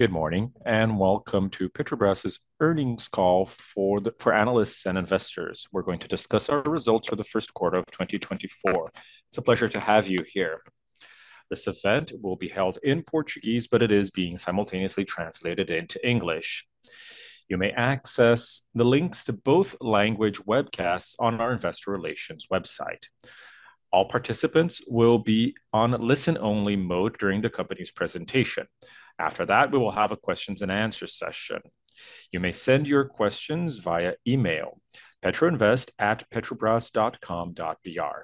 Good morning, and welcome to Petrobras' earnings call for analysts and investors. We're going to discuss our results for the first quarter of 2024. It's a pleasure to have you here. This event will be held in Portuguese, but it is being simultaneously translated into English. You may access the links to both language webcasts on our investor relations website. All participants will be on listen-only mode during the company's presentation. After that, we will have a questions and answer session. You may send your questions via email, petroinvest@petrobras.com.br.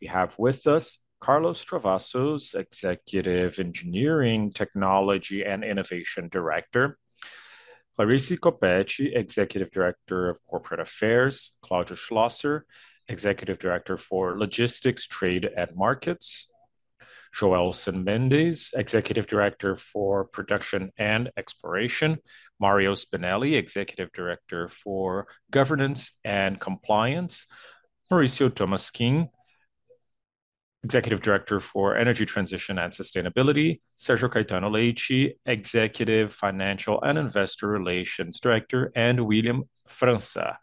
We have with us Carlos Travassos, Executive Director of Engineering, Technology, and Innovation; Clarice Coppetti, Executive Director of Corporate Affairs; Claudio Schlosser, Executive Director for Logistics, Trade, and Markets; Joelson Mendes, Executive Director for Exploration and Production; Mario Spinelli, Executive Director for Governance and Compliance; Maurício Tolmasquim, Executive Director for Energy Transition and Sustainability; Sérgio Caetano Leite, Executive Financial and Investor Relations Director; and William França,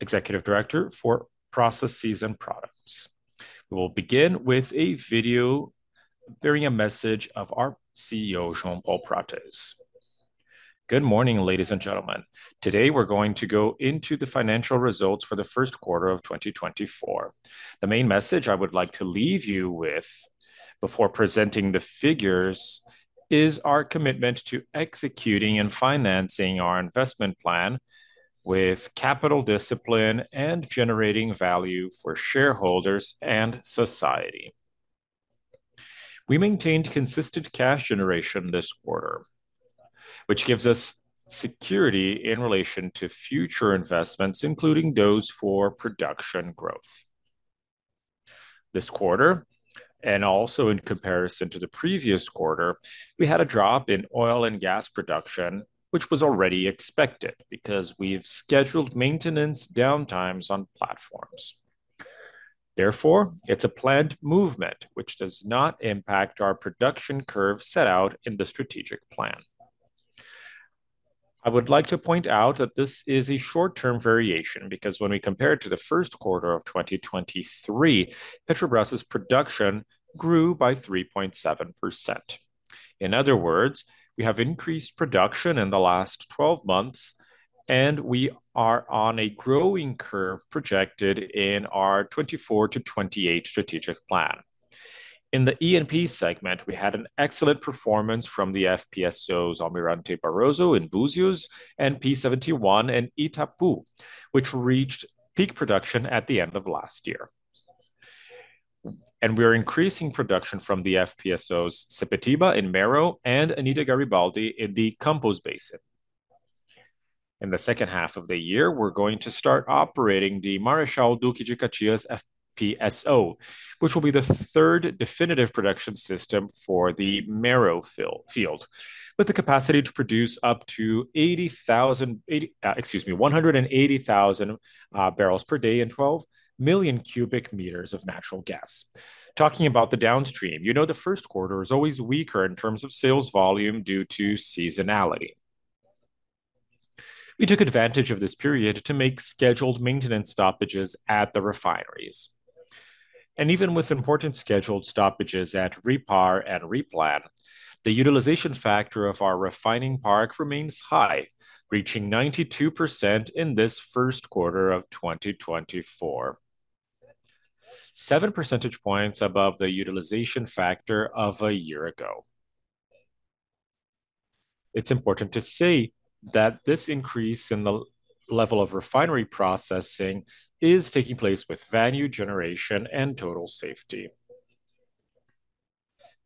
Executive Director for Industrial Processes and Products. We will begin with a video bearing a message of our CEO, Jean Paul Prates. Good morning, ladies and gentlemen. Today, we're going to go into the financial results for the first quarter of 2024. The main message I would like to leave you with before presenting the figures, is our commitment to executing and financing our investment plan with capital discipline and generating value for shareholders and society. We maintained consistent cash generation this quarter, which gives us security in relation to future investments, including those for production growth. This quarter, and also in comparison to the previous quarter, we had a drop in oil and gas production, which was already expected because we've scheduled maintenance downtimes on platforms. Therefore, it's a planned movement, which does not impact our production curve set out in the strategic plan. I would like to point out that this is a short-term variation, because when we compare it to the first quarter of 2023, Petrobras' production grew by 3.7%. In other words, we have increased production in the last twelve months, and we are on a growing curve projected in our 2024-2028 strategic plan. In the E&P segment, we had an excellent performance from the FPSOs Almirante Barroso in Búzios and P-71 in Itapu, which reached peak production at the end of last year. We are increasing production from the FPSOs Sepetiba in Mero and Anita Garibaldi in the Campos Basin. In the second half of the year, we're going to start operating the Marechal Duque de Caxias FPSO, which will be the third definitive production system for the Mero field, with the capacity to produce up to 80,000... 80, excuse me, 180,000 bbl per day and 12 million cubic meters of natural gas. Talking about the downstream, you know, the first quarter is always weaker in terms of sales volume due to seasonality. We took advantage of this period to make scheduled maintenance stoppages at the refineries. Even with important scheduled stoppages at REPAR and REPLAN, the utilization factor of our refining park remains high, reaching 92% in this first quarter of 2024. Seven percentage points above the utilization factor of a year ago. It's important to say that this increase in the level of refinery processing is taking place with value generation and total safety.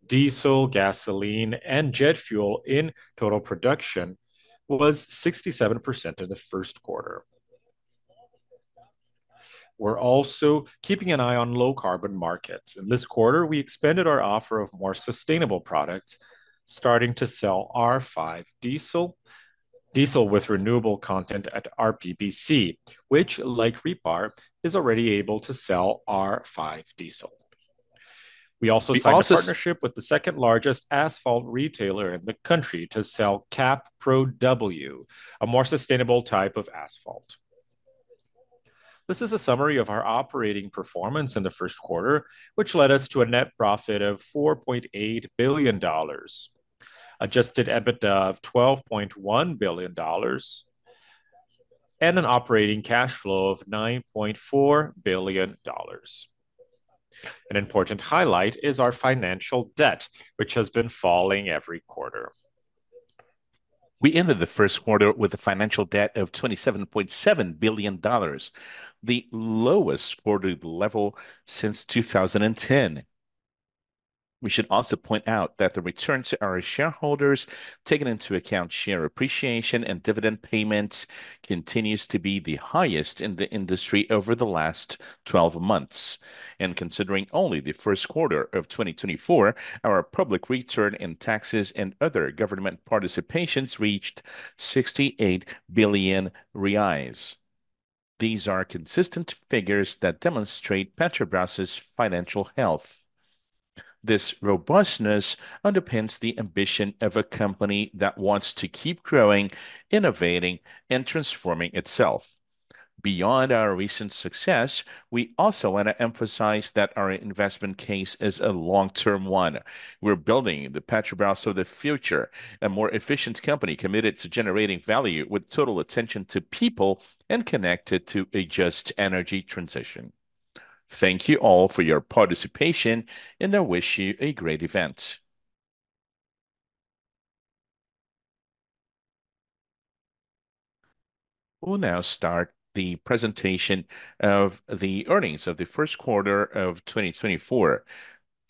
Diesel, gasoline, and jet fuel in total production was 67% in the first quarter. We're also keeping an eye on low-carbon markets. In this quarter, we expanded our offer of more sustainable products, starting to sell R5 diesel, diesel with renewable content at RPBC, which, like REPAR, is already able to sell R5 diesel. We also signed a partnership with the second-largest asphalt retailer in the country to sell CAP Pro W, a more sustainable type of asphalt. This is a summary of our operating performance in the first quarter, which led us to a net profit of $4.8 billion, Adjusted EBITDA of $12.1 billion, and an operating cash flow of $9.4 billion. An important highlight is our financial debt, which has been falling every quarter. We ended the first quarter with a financial debt of $27.7 billion, the lowest quartered level since 2010. We should also point out that the return to our shareholders, taking into account share appreciation and dividend payments, continues to be the highest in the industry over the last 12 months. Considering only the first quarter of 2024, our public return in taxes and other government participations reached 68 billion reais.... These are consistent figures that demonstrate Petrobras' financial health. This robustness underpins the ambition of a company that wants to keep growing, innovating, and transforming itself. Beyond our recent success, we also want to emphasize that our investment case is a long-term one. We're building the Petrobras of the future, a more efficient company committed to generating value with total attention to people and connected to a just energy transition. Thank you all for your participation, and I wish you a great event. We'll now start the presentation of the earnings of the first quarter of 2024.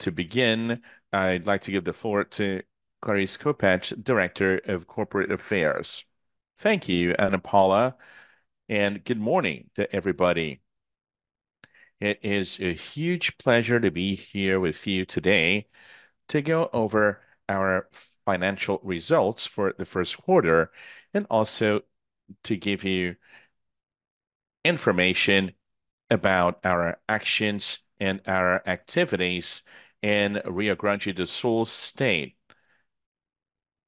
To begin, I'd like to give the floor to Clarice Coppetti, Director of Corporate Affairs. Thank you, Ana Paula, and good morning to everybody. It is a huge pleasure to be here with you today to go over our financial results for the first quarter, and also to give you information about our actions and our activities in Rio Grande do Sul State.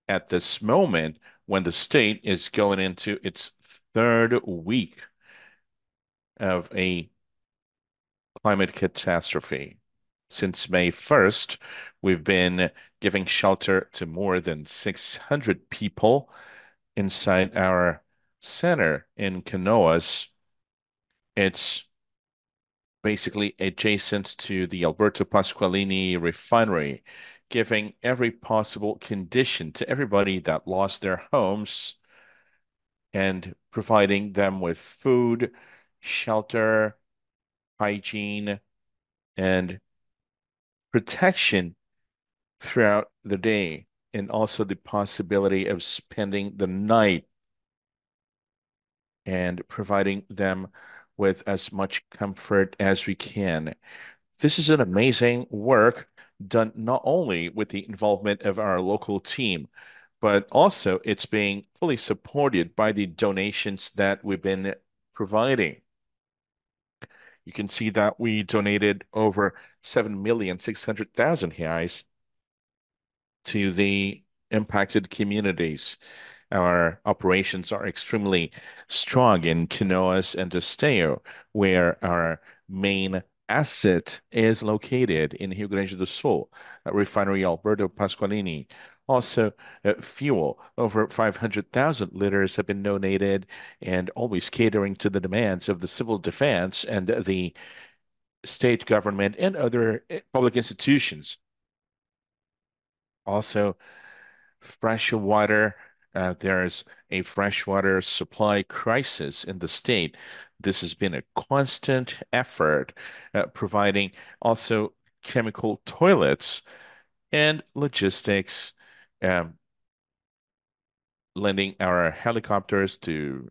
At this moment, when the state is going into its third week of a climate catastrophe, since May first, we've been giving shelter to more than 600 people inside our center in Canoas. It's basically adjacent to the Alberto Pasqualini Refinery, giving every possible condition to everybody that lost their homes, and providing them with food, shelter, hygiene, and protection throughout the day, and also the possibility of spending the night, and providing them with as much comfort as we can. This is an amazing work done not only with the involvement of our local team, but also it's being fully supported by the donations that we've been providing. You can see that we donated over 7.6 million reais to the impacted communities. Our operations are extremely strong in Canoas and Esteio, where our main asset is located in Rio Grande do Sul, Refinery Alberto Pasqualini. Also, fuel, over 500,000 liters have been donated, and always catering to the demands of the Civil Defense and the state government and other, public institutions. Also, fresh water. There's a fresh water supply crisis in the state. This has been a constant effort at providing also chemical toilets and logistics, lending our helicopters to,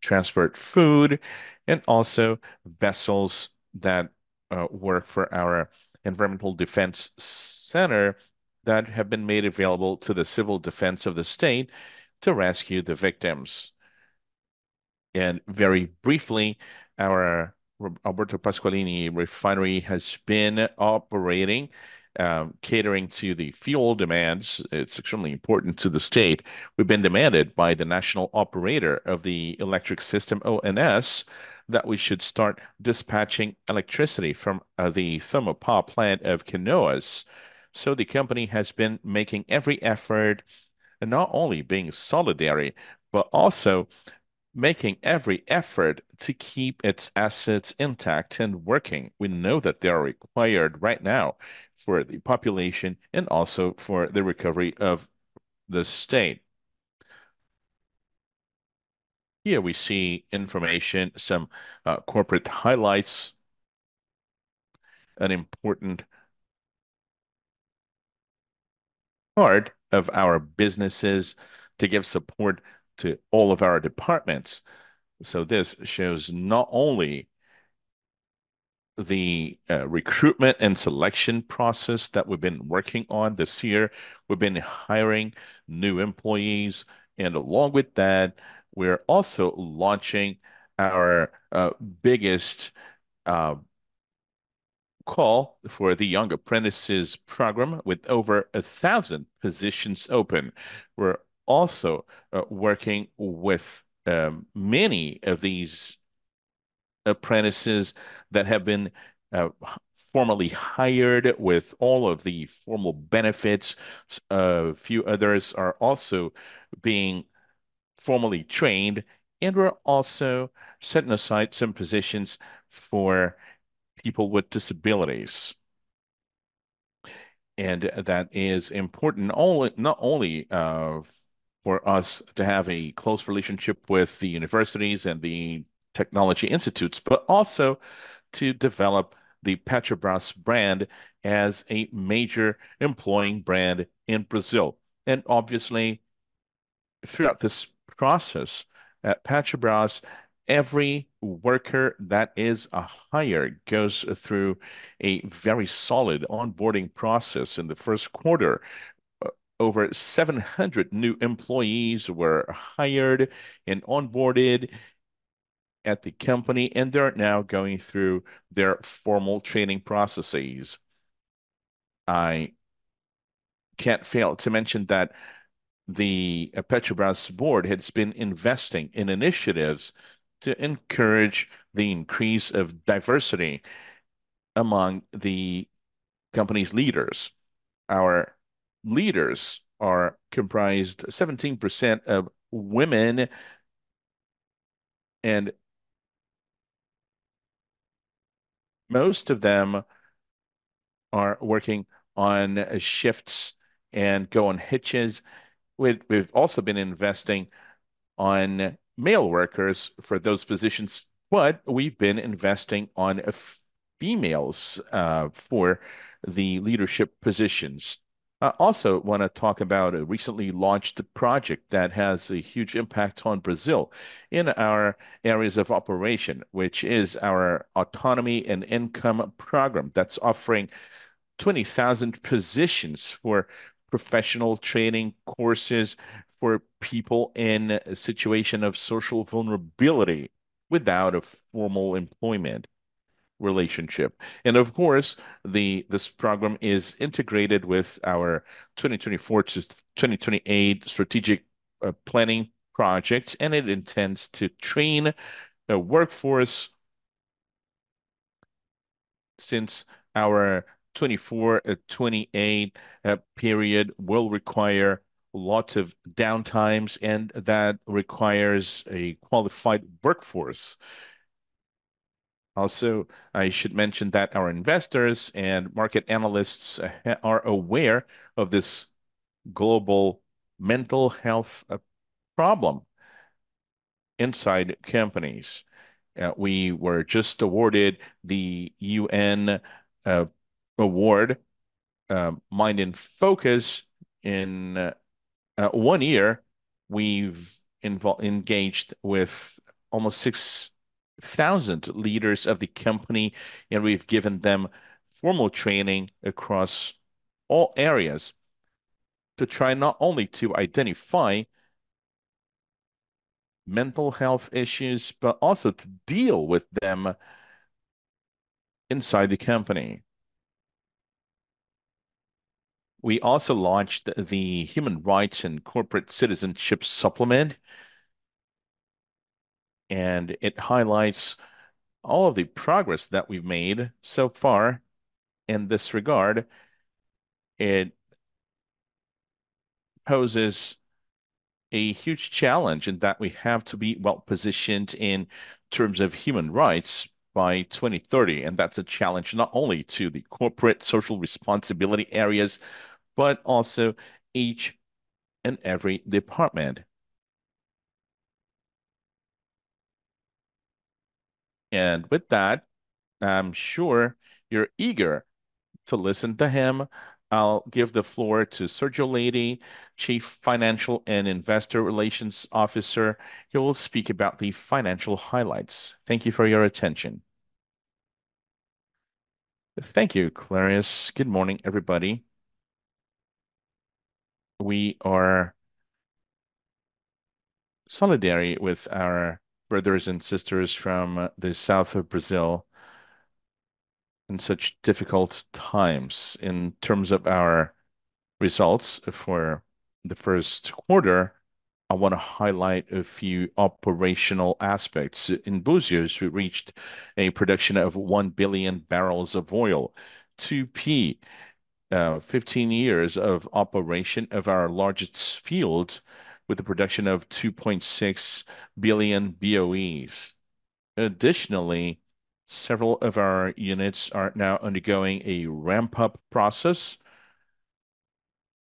transport food, and also vessels that, work for our environmental defense center that have been made available to the Civil Defense of the state to rescue the victims. And very briefly, our Alberto Pasqualini Refinery has been operating, catering to the fuel demands. It's extremely important to the state. We've been demanded by the National Operator of the Electric System, ONS, that we should start dispatching electricity from the thermopower plant of Canoas. So the company has been making every effort, and not only being solidary, but also making every effort to keep its assets intact and working. We know that they are required right now for the population and also for the recovery of the state. Here we see information, some corporate highlights, an important part of our businesses to give support to all of our departments. So this shows not only the recruitment and selection process that we've been working on this year. We've been hiring new employees, and along with that, we're also launching our biggest call for the Young Apprentices Program, with over a thousand positions open. We're also working with many of these apprentices that have been formally hired with all of the formal benefits. A few others are also being formally trained, and we're also setting aside some positions for people with disabilities. And that is important not only for us to have a close relationship with the universities and the technology institutes, but also to develop the Petrobras brand as a major employing brand in Brazil. And obviously, throughout this process, at Petrobras, every worker that is a hire goes through a very solid onboarding process. In the first quarter, over 700 new employees were hired and onboarded at the company, and they're now going through their formal training processes. I can't fail to mention that the Petrobras board has been investing in initiatives to encourage the increase of diversity among the company's leaders. Our leaders are comprised 17% of women, and most of them are working on shifts and go on hitches. We, we've also been investing on male workers for those positions, but we've been investing on females for the leadership positions. I also wanna talk about a recently launched project that has a huge impact on Brazil in our areas of operation, which is our Autonomy and Income Program that's offering 20,000 positions for professional training courses for people in a situation of social vulnerability without a formal employment relationship. And of course, this program is integrated with our 2024-2028 strategic planning project, and it intends to train a workforce since our 2024-2028 period will require lots of downtimes, and that requires a qualified workforce. Also, I should mention that our investors and market analysts are aware of this global mental health problem inside companies. We were just awarded the UN award, Mind in Focus. In one year, we've engaged with almost 6,000 leaders of the company, and we've given them formal training across all areas to try not only to identify mental health issues, but also to deal with them inside the company. We also launched the Human Rights and Corporate Citizenship Supplement, and it highlights all of the progress that we've made so far in this regard. It poses a huge challenge in that we have to be well-positioned in terms of human rights by 2030, and that's a challenge not only to the corporate social responsibility areas, but also each and every department. With that, I'm sure you're eager to listen to him. I'll give the floor to Sérgio Leite, Chief Financial and Investor Relations Officer, who will speak about the financial highlights. Thank you for your attention. Thank you, Clarice. Good morning, everybody. We are solidary with our brothers and sisters from the South of Brazil in such difficult times. In terms of our results for the first quarter, I want to highlight a few operational aspects. In Búzios, we reached a production of 1 billion bbl of oil. Tupi, 15 years of operation of our largest field with a production of 2.6 billion BOEs. Additionally, several of our units are now undergoing a ramp-up process,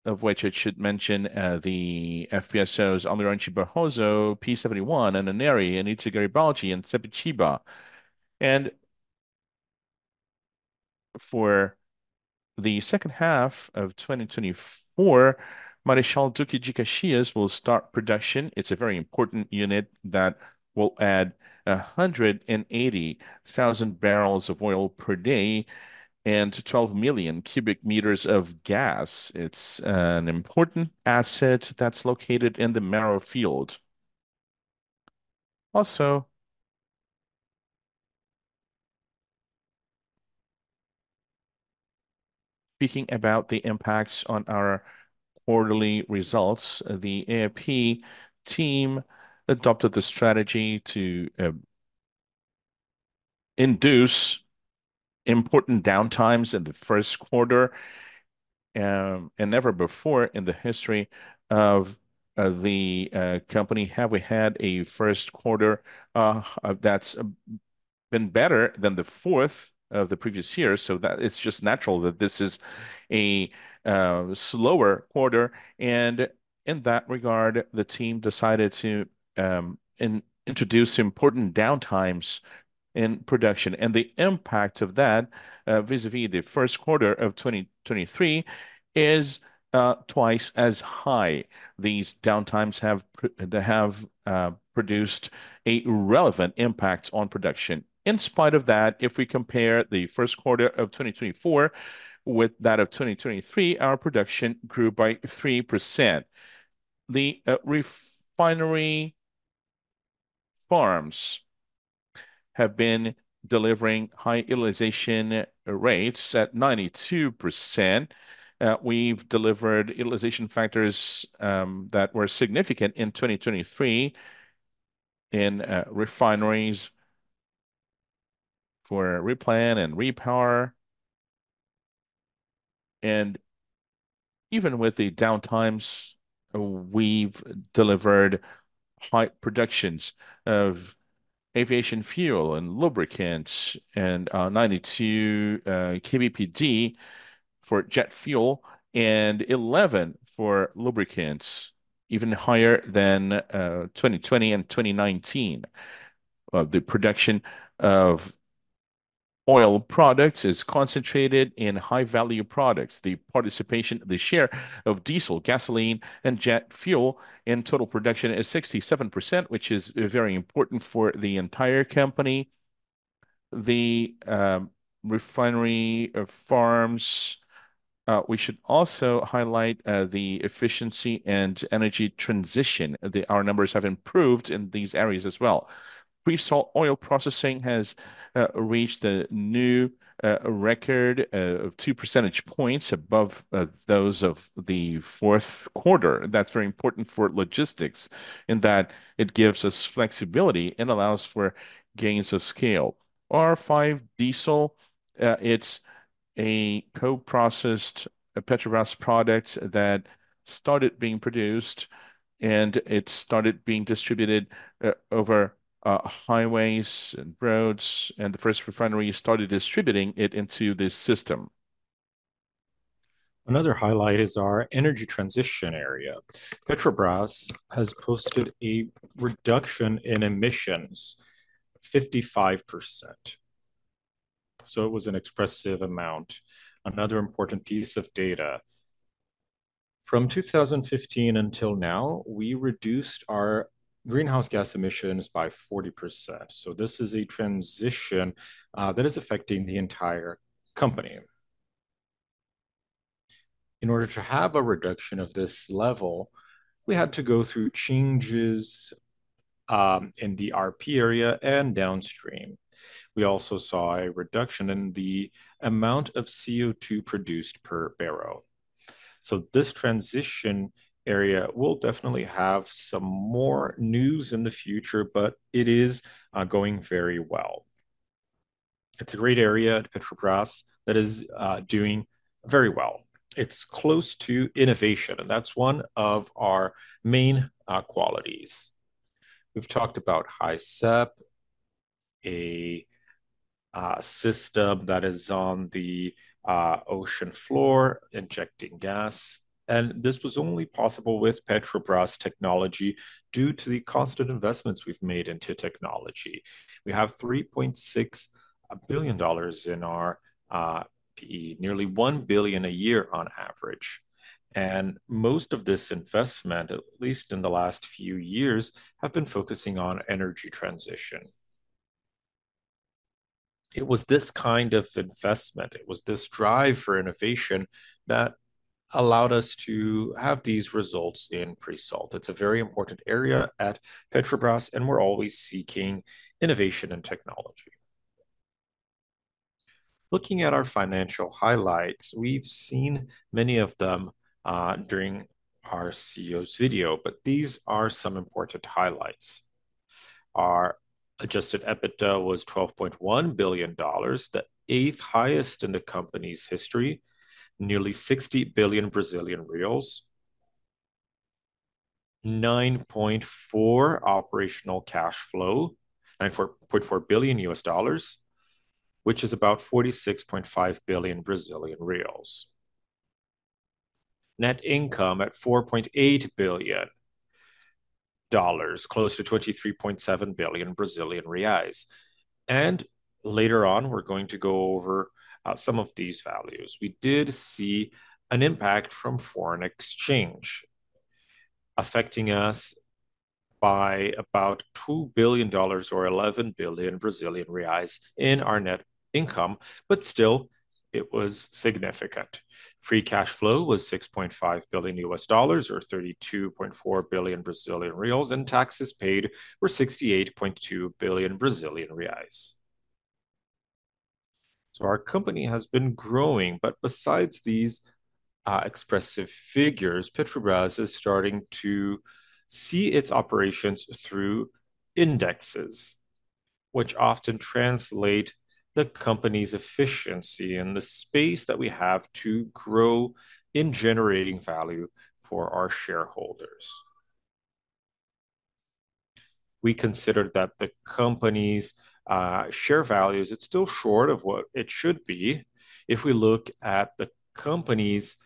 of which I should mention, the FPSOs Almirante Barroso, P-71, Anna Nery, Anita Garibaldi, and Sepetiba. For the second half of 2024, Marechal Duque de Caxias will start production. It's a very important unit that will add 180,000 bbl of oil per day and 12 million cubic meters of gas. It's an important asset that's located in the Mero field. Also, speaking about the impacts on our quarterly results, the E&P team adopted the strategy to induce important downtimes in the first quarter. And never before in the history of the company have we had a first quarter that's been better than the fourth of the previous year. So that it's just natural that this is a slower quarter, and in that regard, the team decided to introduce important downtimes in production. And the impact of that vis-à-vis the first quarter of 2023 is twice as high. These downtimes have they have produced a relevant impact on production. In spite of that, if we compare the first quarter of 2024 with that of 2023, our production grew by 3%.... The refineries have been delivering high utilization rates at 92%. We've delivered utilization factors that were significant in 2023 in refineries for REPLAN and REPAR. Even with the downtimes, we've delivered high productions of aviation fuel and lubricants, and 92 kbpd for jet fuel, and 11 for lubricants, even higher than 2020 and 2019. The production of oil products is concentrated in high-value products. The participation, the share of diesel, gasoline, and jet fuel in total production is 67%, which is very important for the entire company. The refineries, we should also highlight the efficiency and energy transition. The... Our numbers have improved in these areas as well. Pre-salt oil processing has reached a new record of two percentage points above those of the fourth quarter. That's very important for logistics, in that it gives us flexibility and allows for gains of scale. R5 diesel, it's a co-processed Petrobras product that started being produced, and it started being distributed over highways and roads, and the first refinery started distributing it into this system. Another highlight is our energy transition area. Petrobras has posted a reduction in emissions, 55%, so it was an expressive amount. Another important piece of data, from 2015 until now, we reduced our greenhouse gas emissions by 40%, so this is a transition that is affecting the entire company. In order to have a reduction of this level, we had to go through changes in the RP area and downstream. We also saw a reduction in the amount of CO2 produced per barrel. So this transition area will definitely have some more news in the future, but it is going very well. It's a great area at Petrobras that is doing very well. It's close to innovation, and that's one of our main qualities. We've talked about HiSEP, a system that is on the ocean floor, injecting gas, and this was only possible with Petrobras technology due to the constant investments we've made into technology. We have $3.6 billion in our PE, nearly $1 billion a year on average. And most of this investment, at least in the last few years, have been focusing on energy transition. It was this kind of investment, it was this drive for innovation that allowed us to have these results in pre-salt. It's a very important area at Petrobras, and we're always seeking innovation and technology. Looking at our financial highlights, we've seen many of them, during our CEO's video, but these are some important highlights. Our Adjusted EBITDA was $12.1 billion, the eighth highest in the company's history, nearly BRL 60 billion. 9.4 operational cash flow, $9.4 billion, which is about 46.5 billion Brazilian reais. Net income at $4.8 billion, close to 23.7 billion Brazilian reais. Later on, we're going to go over, some of these values. We did see an impact from foreign exchange, affecting us by about $2 billion or 11 billion Brazilian reais in our net income, but still, it was significant. Free cash flow was $6.5 billion, or BRL 32.4 billion, and taxes paid were 68.2 billion Brazilian reais. Our company has been growing, but besides these expressive figures, Petrobras is starting to see its operations through indexes, which often translate the company's efficiency and the space that we have to grow in generating value for our shareholders. We consider that the company's share values, its still short of what it should be. If we look at the company's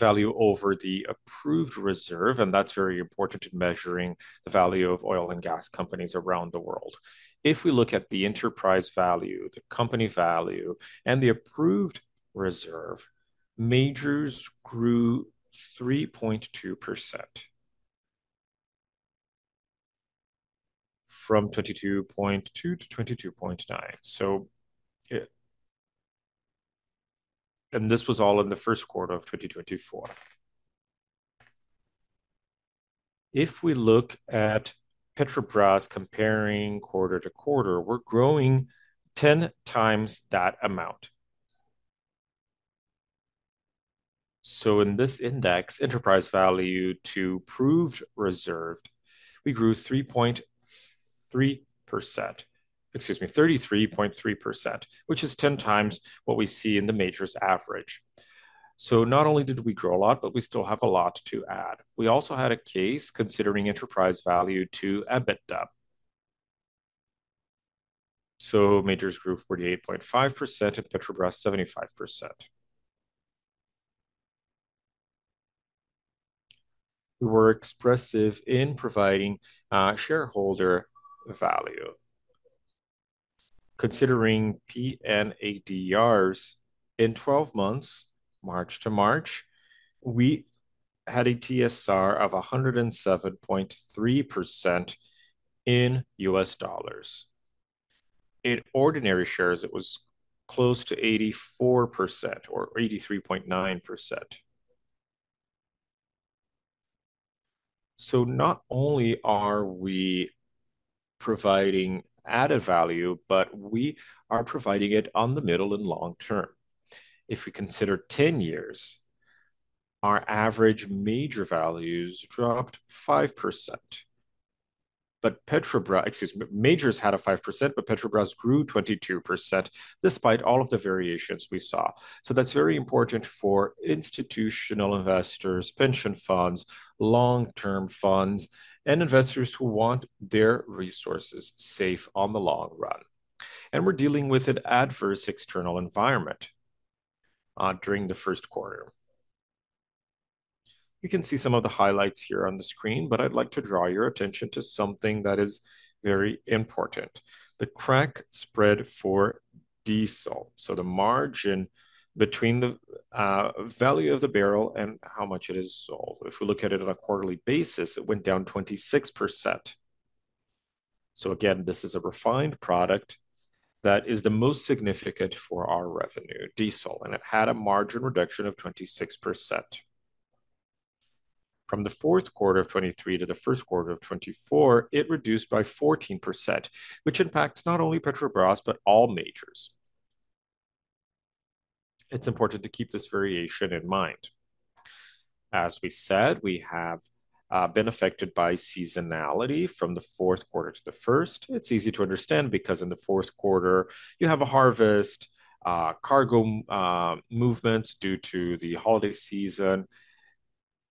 value over the proved reserve, and that's very important in measuring the value of oil and gas companies around the world. If we look at the enterprise value, the company value, and the proved reserve, majors grew 3.2% from 22.2-22.9. So, yeah, and this was all in the first quarter of 2024. If we look at Petrobras comparing quarter to quarter, we're growing 10 times that amount. So in this index, enterprise value to proved reserves, we grew 3.3%, excuse me, 33.3%, which is 10 times what we see in the majors' average. So not only did we grow a lot, but we still have a lot to add. We also had a case considering enterprise value to EBITDA. So majors grew 48.5%, at Petrobras, 75%. We were expressive in providing shareholder value. Considering PN ADRs, in 12 months, March to March, we had a TSR of 107.3% in U.S. dollars. In ordinary shares, it was close to 84% or 83.9%. So not only are we providing added value, but we are providing it on the middle and long term. If we consider 10 years, our average major values dropped 5%, but Petrobras, excuse me, majors had a 5%, but Petrobras grew 22%, despite all of the variations we saw. So that's very important for institutional investors, pension funds, long-term funds, and investors who want their resources safe on the long run. And we're dealing with an adverse external environment during the first quarter. You can see some of the highlights here on the screen, but I'd like to draw your attention to something that is very important, the Crack Spread for diesel, so the margin between the value of the barrel and how much it is sold. If we look at it on a quarterly basis, it went down 26%. So again, this is a refined product that is the most significant for our revenue, diesel, and it had a margin reduction of 26%. From the fourth quarter of 2023 to the first quarter of 2024, it reduced by 14%, which impacts not only Petrobras, but all majors. It's important to keep this variation in mind. As we said, we have been affected by seasonality from the fourth quarter to the first. It's easy to understand because in the fourth quarter, you have a harvest, cargo, movements due to the holiday season.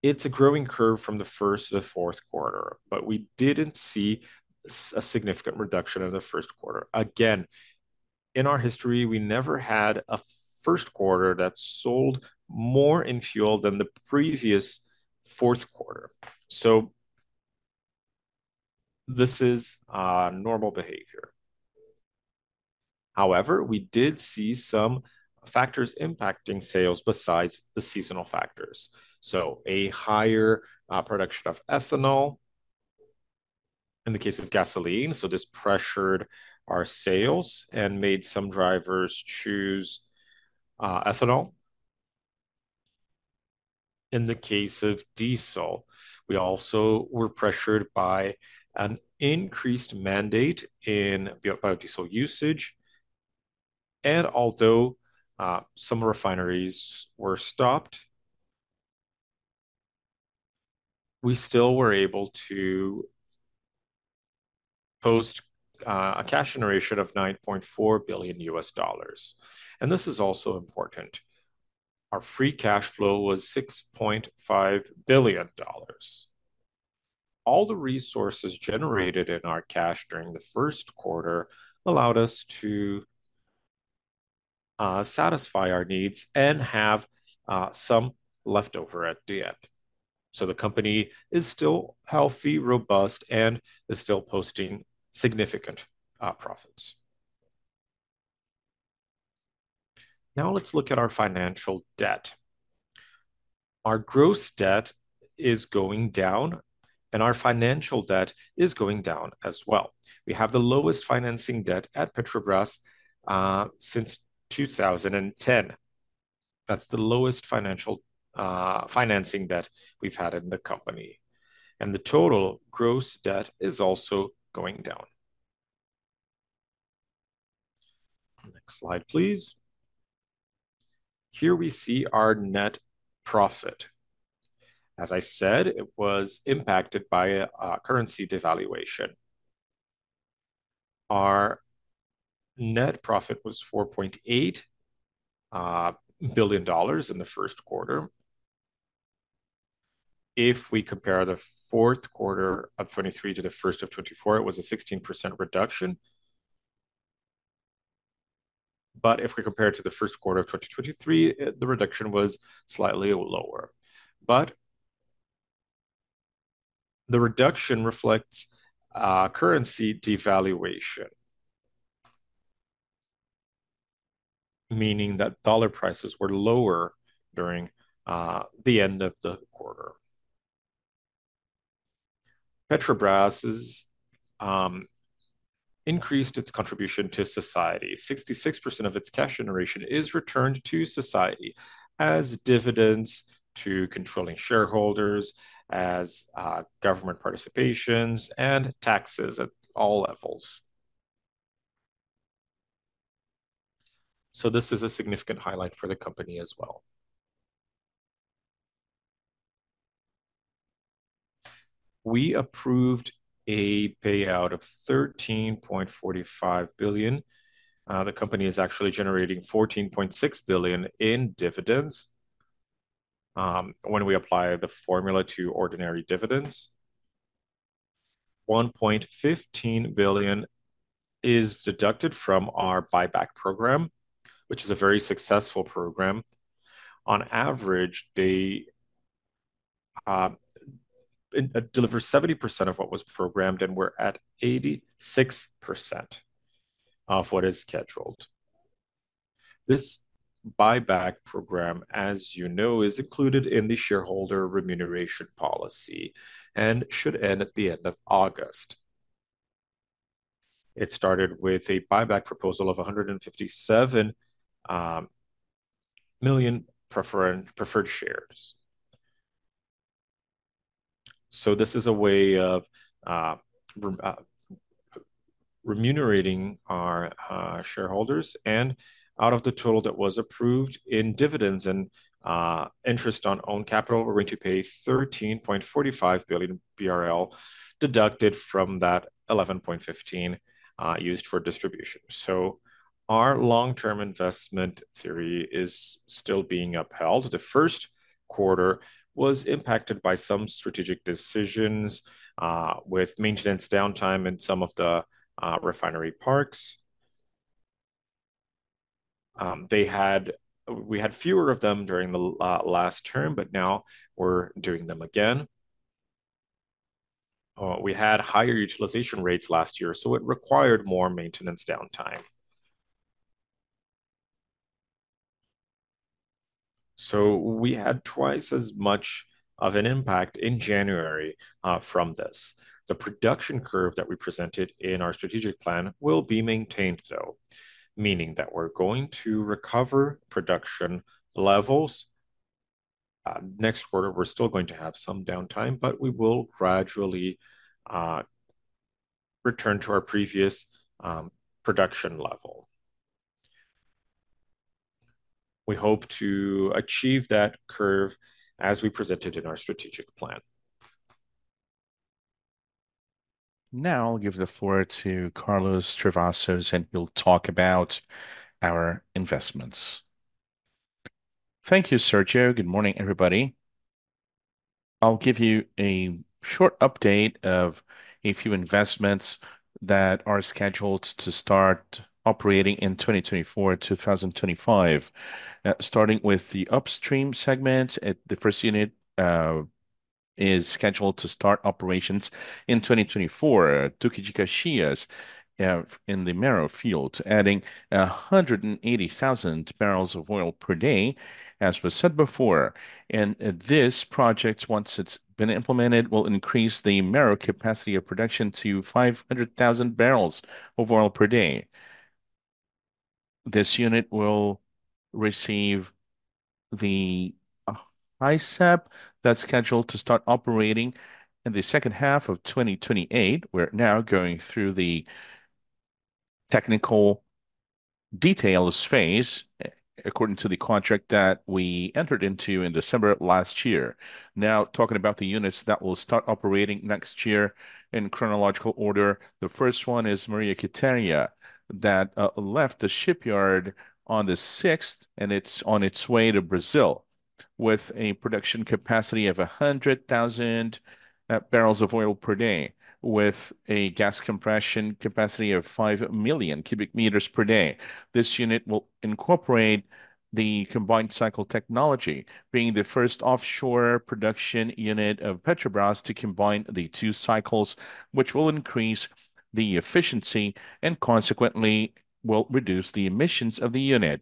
It's a growing curve from the first to the fourth quarter, but we didn't see a significant reduction in the first quarter. Again, in our history, we never had a first quarter that sold more in fuel than the previous fourth quarter. So this is normal behavior. However, we did see some factors impacting sales besides the seasonal factors. A higher production of ethanol in the case of gasoline, so this pressured our sales and made some drivers choose ethanol. In the case of diesel, we also were pressured by an increased mandate in biodiesel usage, and although some refineries were stopped, we still were able to post a cash generation of $9.4 billion. This is also important. Our free cash flow was $6.5 billion. All the resources generated in our cash during the first quarter allowed us to satisfy our needs and have some leftover at the end. The company is still healthy, robust, and is still posting significant profits. Now, let's look at our financial debt. Our gross debt is going down, and our financial debt is going down as well. We have the lowest financing debt at Petrobras since 2010. That's the lowest financial financing debt we've had in the company, and the total gross debt is also going down. Next slide, please. Here we see our net profit. As I said, it was impacted by a currency devaluation. Our net profit was $4.8 billion in the first quarter. If we compare the fourth quarter of 2023 to the first of 2024, it was a 16% reduction. But if we compare it to the first quarter of 2023, the reduction was slightly lower. But the reduction reflects currency devaluation, meaning that dollar prices were lower during the end of the quarter. Petrobras has increased its contribution to society. 66% of its cash generation is returned to society as dividends to controlling shareholders, as government participations, and taxes at all levels. So this is a significant highlight for the company as well. We approved a payout of 13.45 billion. The company is actually generating 14.6 billion in dividends, when we apply the formula to ordinary dividends. 1.15 billion is deducted from our buyback program, which is a very successful program. On average, they, it delivers 70% of what was programmed, and we're at 86% of what is scheduled. This buyback program, as you know, is included in the shareholder remuneration policy and should end at the end of August. It started with a buyback proposal of 157 million preferred shares. So this is a way of re-remunerating our shareholders, and out of the total that was approved in dividends and interest on own capital, we're going to pay 13.45 billion BRL, deducted from that 11.15 billion used for distribution. So our long-term investment theory is still being upheld. The first quarter was impacted by some strategic decisions with maintenance downtime in some of the refinery parks. They had... We had fewer of them during the last term, but now we're doing them again. We had higher utilization rates last year, so it required more maintenance downtime. So we had twice as much of an impact in January from this. The production curve that we presented in our strategic plan will be maintained, though, meaning that we're going to recover production levels. Next quarter, we're still going to have some downtime, but we will gradually return to our previous production level. We hope to achieve that curve as we presented in our strategic plan. Now, I'll give the floor to Carlos Travassos, and he'll talk about our investments. Thank you, Sergio. Good morning, everybody. I'll give you a short update of a few investments that are scheduled to start operating in 2024, 2025. Starting with the upstream segment, the first unit is scheduled to start operations in 2024. Tucuxis in the Mero Field, adding 180,000 bl of oil per day, as was said before. This project, once it's been implemented, will increase the Mero capacity of production to 500,000 bbl of oil per day. This unit will receive the HiSEP that's scheduled to start operating in the second half of 2028. We're now going through the technical details phase, according to the contract that we entered into in December last year. Now, talking about the units that will start operating next year in chronological order, the first one is Maria Quitéria, that left the shipyard on the 6th, and it's on its way to Brazil, with a production capacity of 100,000 bbl of oil per day, with a gas compression capacity of 5 million cubic meters per day. This unit will incorporate the combined cycle technology, being the first offshore production unit of Petrobras to combine the two cycles, which will increase the efficiency and consequently will reduce the emissions of the unit.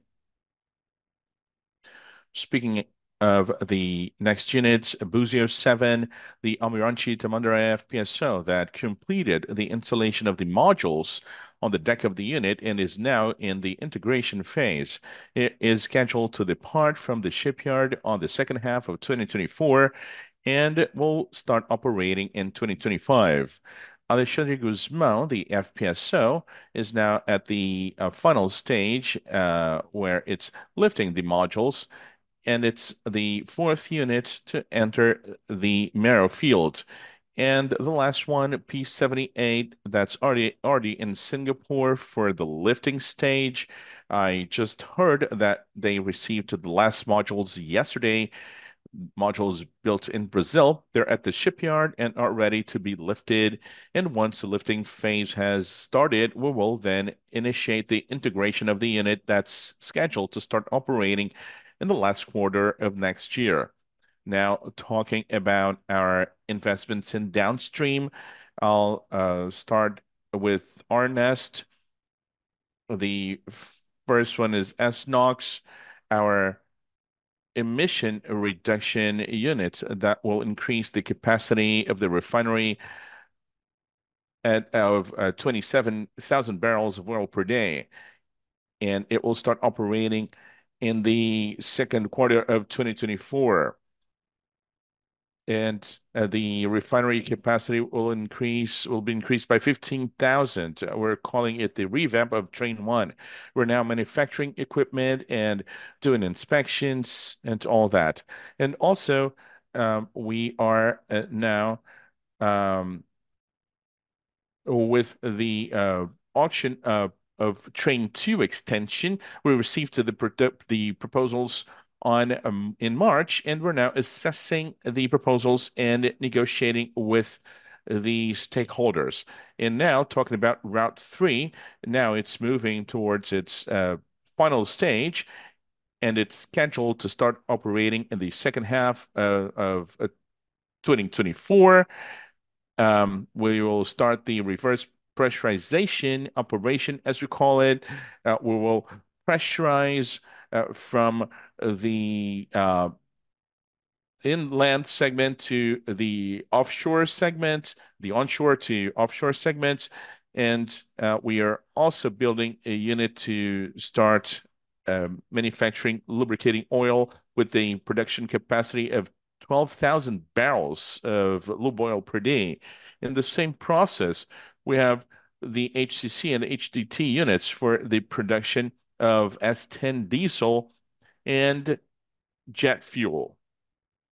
Speaking of the next units, Búzios Seven, the Almirante Tamandaré FPSO, that completed the installation of the modules on the deck of the unit and is now in the integration phase. It is scheduled to depart from the shipyard on the second half of 2024 and will start operating in 2025. Alexandre de Gusmão, the FPSO, is now at the final stage where it's lifting the modules, and it's the fourth unit to enter the Mero Field. And the last one, P-78, that's already in Singapore for the lifting stage. I just heard that they received the last modules yesterday, modules built in Brazil. They're at the shipyard and are ready to be lifted, and once the lifting phase has started, we will then initiate the integration of the unit that's scheduled to start operating in the last quarter of next year.... Now, talking about our investments in downstream, I'll start with RNEST. The first one is SNOX, our emission reduction unit that will increase the capacity of the refinery at of 27,000 bbl of oil per day, and it will start operating in the second quarter of 2024. The refinery capacity will increase- will be increased by 15,000. We're calling it the revamp of Train 1. We're now manufacturing equipment and doing inspections and all that. Also, we are now with the auction of Train 2 extension, we received the proposals in March, and we're now assessing the proposals and negotiating with the stakeholders. Now, talking about Route 3, it's moving towards its final stage, and it's scheduled to start operating in the second half of 2024. We will start the reverse pressurization operation, as we call it. We will pressurize from the inland segment to the offshore segment, the onshore to offshore segment. We are also building a unit to start manufacturing lubricating oil with the production capacity of 12,000 bbl of lube oil per day. In the same process, we have the HCC and HDT units for the production of S10 diesel and jet fuel.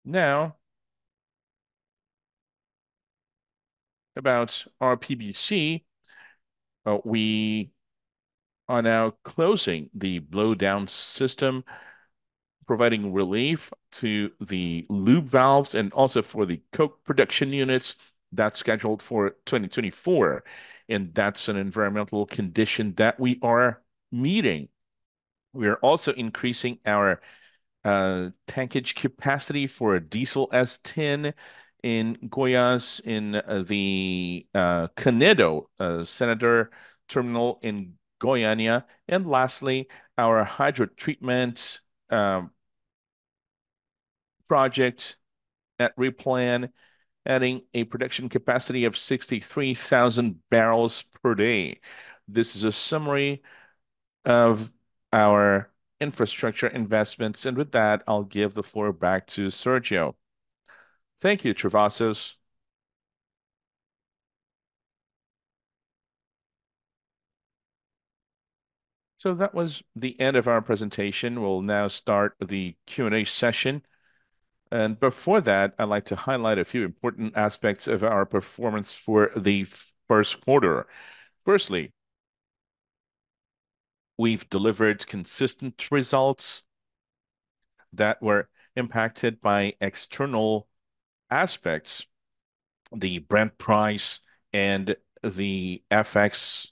Now, about our RPBC, we are now closing the blowdown system, providing relief to the lube valves and also for the coke production units. That's scheduled for 2024, and that's an environmental condition that we are meeting. We are also increasing our tankage capacity for a diesel S10 in Goiás, in the Senador Canedo terminal in Goiânia. And lastly, our hydrotreatment project at REPLAN, adding a production capacity of 63,000 bbl per day. This is a summary of our infrastructure investments, and with that, I'll give the floor back to Sérgio. Thank you, Travassos. So that was the end of our presentation. We'll now start the Q&A session, and before that, I'd like to highlight a few important aspects of our performance for the first quarter. Firstly, we've delivered consistent results that were impacted by external aspects, the Brent price and the FX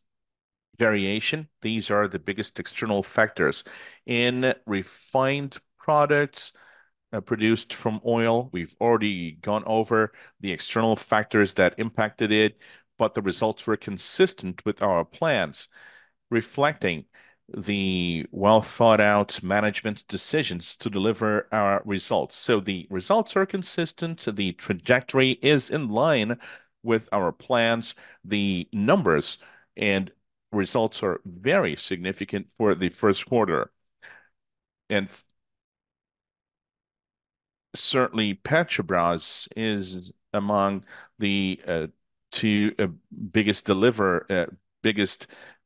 variation. These are the biggest external factors. In refined products produced from oil, we've already gone over the external factors that impacted it, but the results were consistent with our plans, reflecting the well-thought-out management decisions to deliver our results. So the results are consistent, the trajectory is in line with our plans, the numbers and results are very significant for the first quarter. Certainly, Petrobras is among the two biggest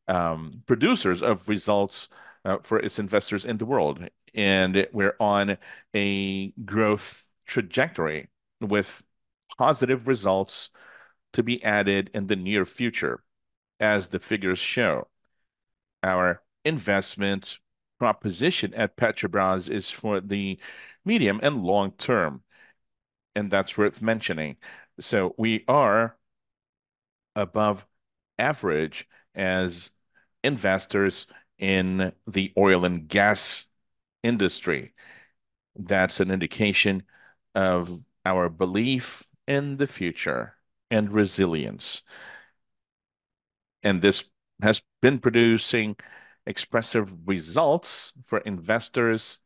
producers of results for its investors in the world, and we're on a growth trajectory with positive results to be added in the near future, as the figures show. Our investment proposition at Petrobras is for the medium and long term, and that's worth mentioning. We are above average as investors in the oil and gas industry. That's an indication of our belief in the future and resilience, and this has been producing expressive results for investors.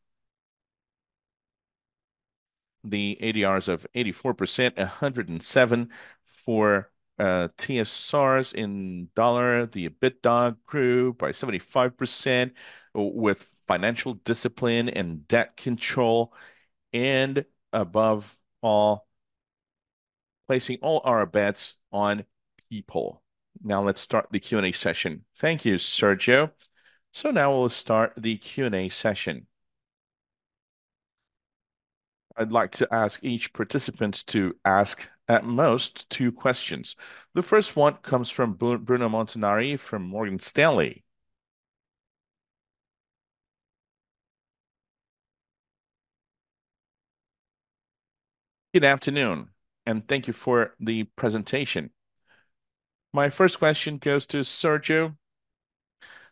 The ADRs of 84%, 107 for TSRs in dollars. The EBITDA grew by 75%, with financial discipline and debt control, and above all, placing all our bets on people. Now, let's start the Q&A session. Thank you, Sérgio. Now we'll start the Q&A session. I'd like to ask each participant to ask at most two questions. The first one comes from Bruno Montanari from Morgan Stanley. Good afternoon, and thank you for the presentation. My first question goes to Sergio.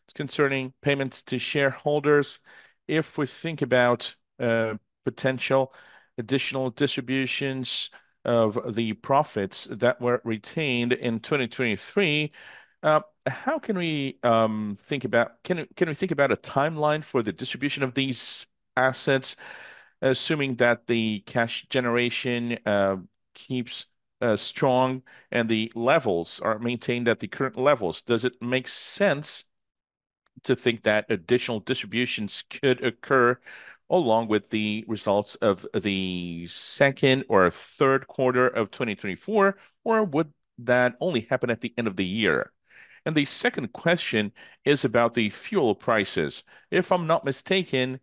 It's concerning payments to shareholders. If we think about potential additional distributions of the profits that were retained in 2023, how can we think about a timeline for the distribution of these assets, assuming that the cash generation keeps strong, and the levels are maintained at the current levels? Does it make sense to think that additional distributions could occur along with the results of the second or third quarter of 2024, or would that only happen at the end of the year? And the second question is about the fuel prices. If I'm not mistaken,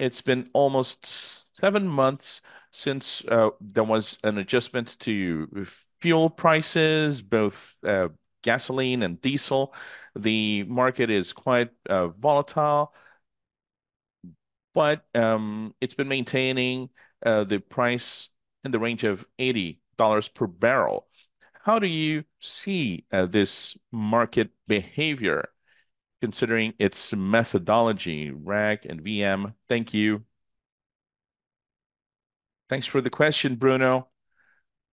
it's been almost seven months since there was an adjustment to fuel prices, both gasoline and diesel. The market is quite volatile, but it's been maintaining the price in the range of $80 per barrel. How do you see this market behavior, considering its methodology, RAG and VM? Thank you. Thanks for the question, Bruno.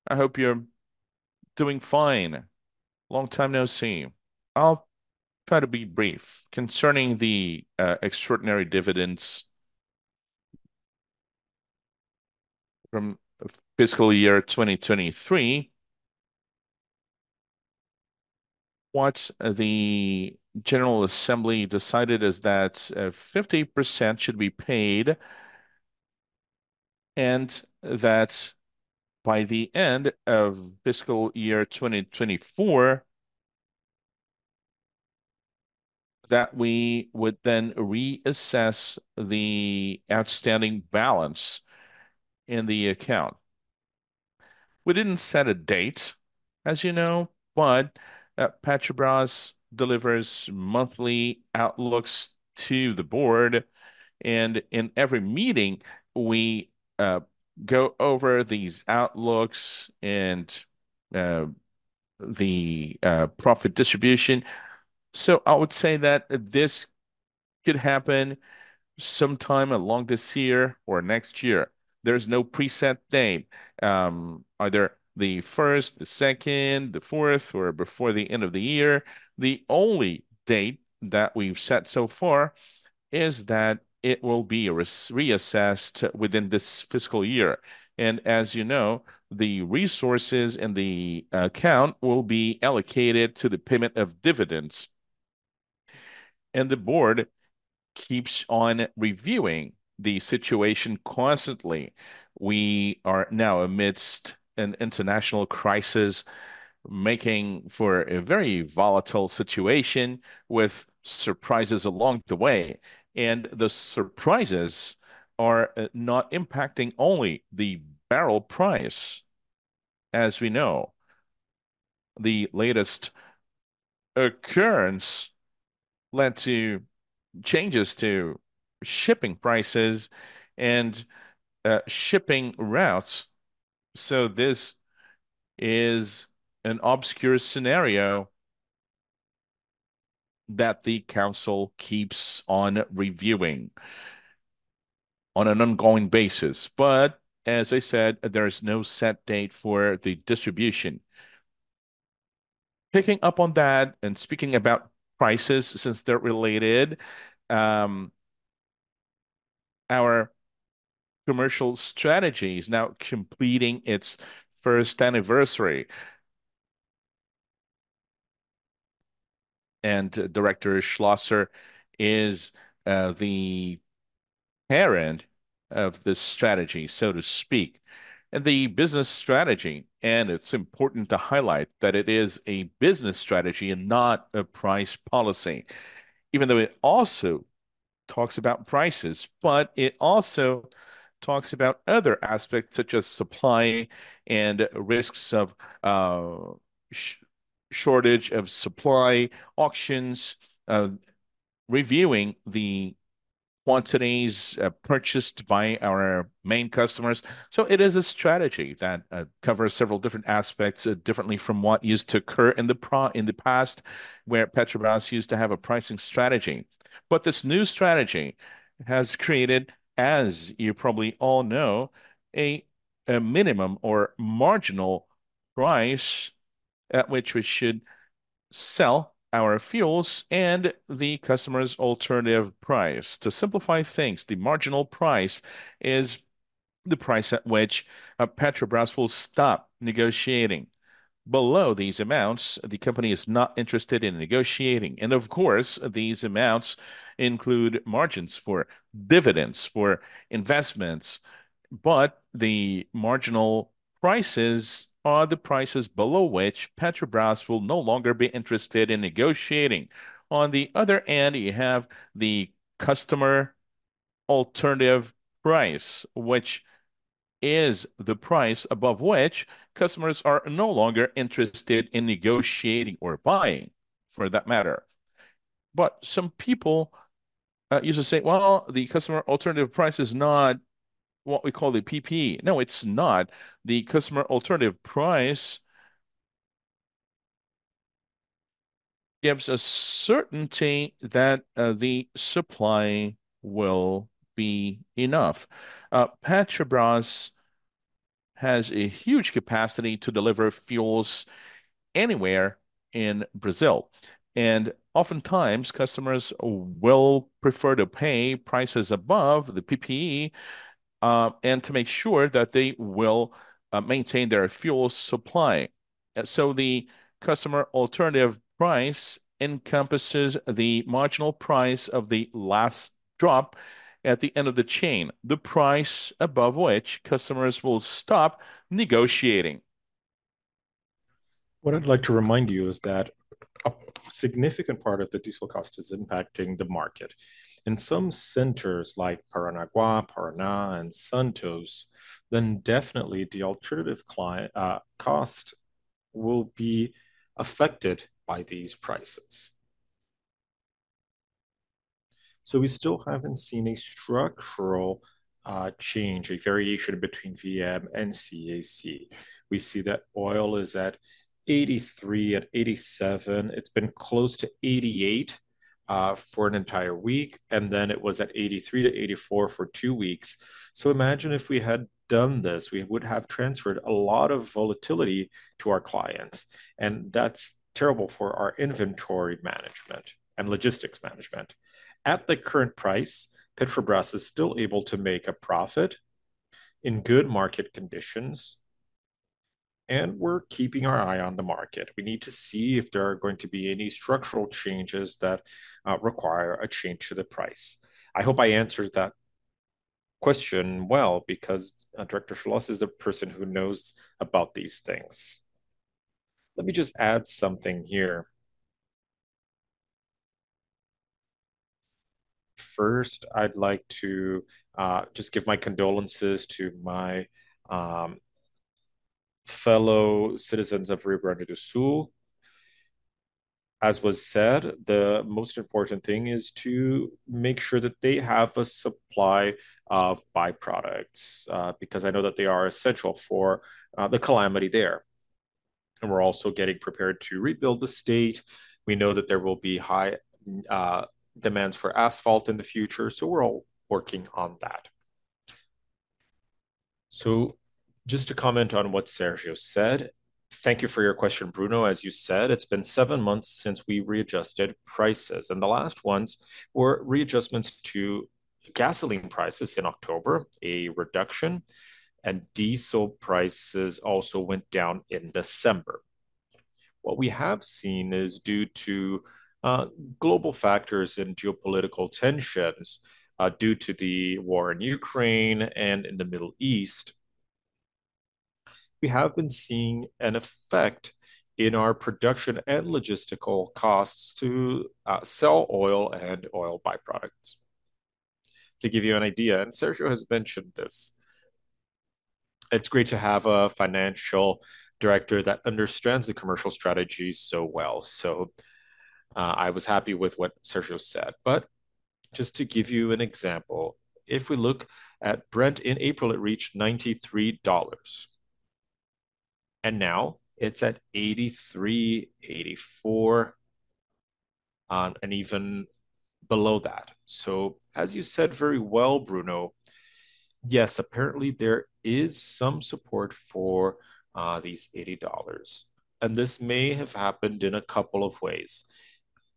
I hope you're doing fine. Long time, no see. I'll try to be brief. Concerning the extraordinary dividends from fiscal year 2023, what the general assembly decided is that 50% should be paid, and that by the end of fiscal year 2024, that we would then reassess the outstanding balance in the account. We didn't set a date, as you know, but Petrobras delivers monthly outlooks to the board, and in every meeting, we go over these outlooks and the profit distribution. So I would say that this could happen sometime along this year or next year. There's no preset date, either the first, the second, the fourth, or before the end of the year. The only date that we've set so far is that it will be reassessed within this fiscal year. And as you know, the resources in the account will be allocated to the payment of dividends. And the board keeps on reviewing the situation constantly. We are now amidst an international crisis, making for a very volatile situation with surprises along the way, and the surprises are not impacting only the barrel price, as we know. The latest occurrence led to changes to shipping prices and shipping routes, so this is an obscure scenario that the council keeps on reviewing on an ongoing basis. As I said, there is no set date for the distribution. Picking up on that, and speaking about prices, since they're related, our commercial strategy is now completing its first anniversary. Director Schlosser is the parent of this strategy, so to speak. The business strategy, and it's important to highlight that it is a business strategy and not a price policy, even though it also talks about prices, but it also talks about other aspects, such as supply and risks of shortage of supply, auctions, reviewing the quantities purchased by our main customers. So it is a strategy that covers several different aspects, differently from what used to occur in the past, where Petrobras used to have a pricing strategy. But this new strategy has created, as you probably all know, a minimum or marginal price at which we should sell our fuels and the customer's alternative price. To simplify things, the marginal price is the price at which Petrobras will stop negotiating. Below these amounts, the company is not interested in negotiating, and of course, these amounts include margins for dividends, for investments. But the marginal prices are the prices below which Petrobras will no longer be interested in negotiating. On the other hand, you have the customer alternative price, which is the price above which customers are no longer interested in negotiating or buying, for that matter. But some people used to say, "Well, the customer alternative price is not what we call the PPE. No, it's not. The customer alternative price gives us certainty that the supply will be enough. Petrobras has a huge capacity to deliver fuels anywhere in Brazil, and oftentimes customers will prefer to pay prices above the PPE, and to make sure that they will maintain their fuel supply. So the customer alternative price encompasses the marginal price of the last drop at the end of the chain, the price above which customers will stop negotiating. What I'd like to remind you is that a significant part of the diesel cost is impacting the market. In some centers, like Paranaguá, Paraná, and Santos, then definitely the alternative client cost will be affected by these prices. So we still haven't seen a structural change, a variation between VM and CAC. We see that oil is at $83, at $87. It's been close to $88 for an entire week, and then it was at $83-$84 for two weeks. So imagine if we had done this, we would have transferred a lot of volatility to our clients, and that's terrible for our inventory management and logistics management. At the current price, Petrobras is still able to make a profit in good market conditions, and we're keeping our eye on the market. We need to see if there are going to be any structural changes that require a change to the price. I hope I answered that question well, because Director Schlosser is the person who knows about these things. Let me just add something here. First, I'd like to just give my condolences to my fellow citizens of Rio Grande do Sul. As was said, the most important thing is to make sure that they have a supply of byproducts, because I know that they are essential for the calamity there, and we're also getting pREPARed to rebuild the state. We know that there will be high demands for asphalt in the future, so we're all working on that. So just to comment on what Sérgio said, thank you for your question, Bruno. As you said, it's been 7 months since we readjusted prices, and the last ones were readjustments to gasoline prices in October, a reduction, and diesel prices also went down in December. What we have seen is due to global factors and geopolitical tensions due to the war in Ukraine and in the Middle East; we have been seeing an effect in our production and logistical costs to sell oil and oil byproducts. To give you an idea, and Sérgio has mentioned this, it's great to have a financial director that understands the commercial strategy so well. So, I was happy with what Sérgio said. But just to give you an example, if we look at Brent in April, it reached $93, and now it's at $83-$84, and even below that. So as you said very well, Bruno, yes, apparently there is some support for these $80, and this may have happened in a couple of ways,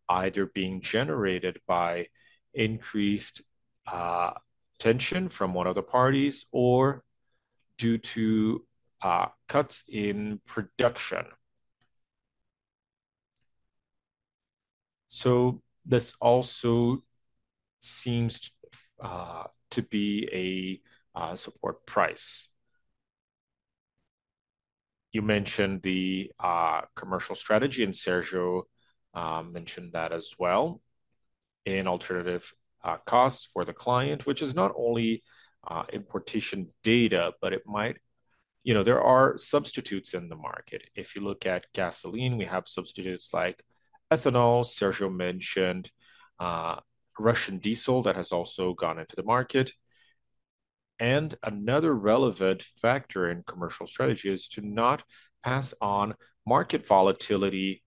either being generated by increased tension from one of the parties or due to cuts in production. So this also seems to be a support price. You mentioned the commercial strategy, and Sérgio mentioned that as well in alternative costs for the client, which is not only importation data, but it might... You know, there are substitutes in the market. If you look at gasoline, we have substitutes like ethanol. Sérgio mentioned Russian diesel, that has also gone into the market. And another relevant factor in commercial strategy is to not pass on market volatility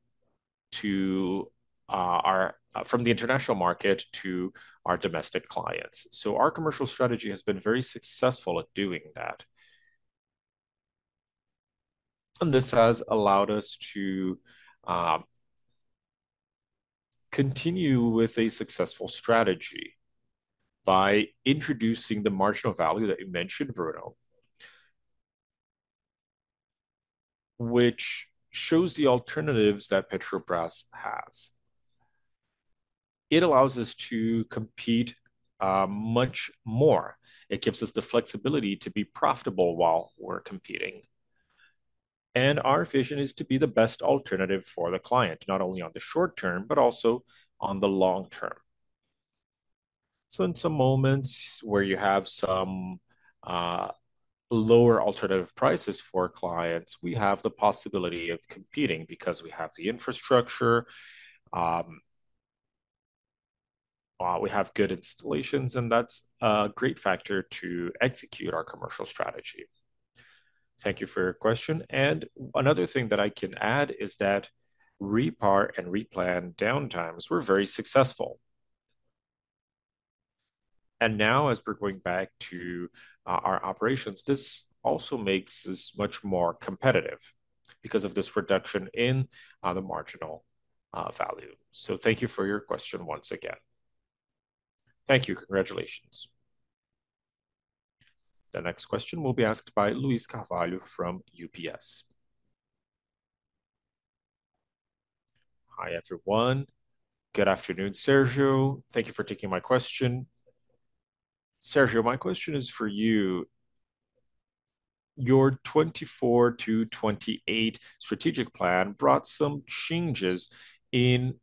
from the international market to our domestic clients. So our commercial strategy has been very successful at doing that. And this has allowed us to continue with a successful strategy by introducing the marginal value that you mentioned, Bruno, which shows the alternatives that Petrobras has. It allows us to compete much more. It gives us the flexibility to be profitable while we're competing, and our vision is to be the best alternative for the client, not only on the short term, but also on the long term. So in some moments where you have some lower alternative prices for clients, we have the possibility of competing because we have the infrastructure. Well, we have good installations, and that's a great factor to execute our commercial strategy. Thank you for your question, and another thing that I can add is that REPAR and REPLAN downtimes were very successful. Now, as we're going back to our operations, this also makes us much more competitive because of this reduction in the marginal value. So thank you for your question once again. Thank you. Congratulations. The next question will be asked by Luiz Carvalho from UBS. Hi, everyone. Good afternoon, Sérgio. Thank you for taking my question. Sérgio, my question is for you. Your 2024-2028 strategic plan brought some changes in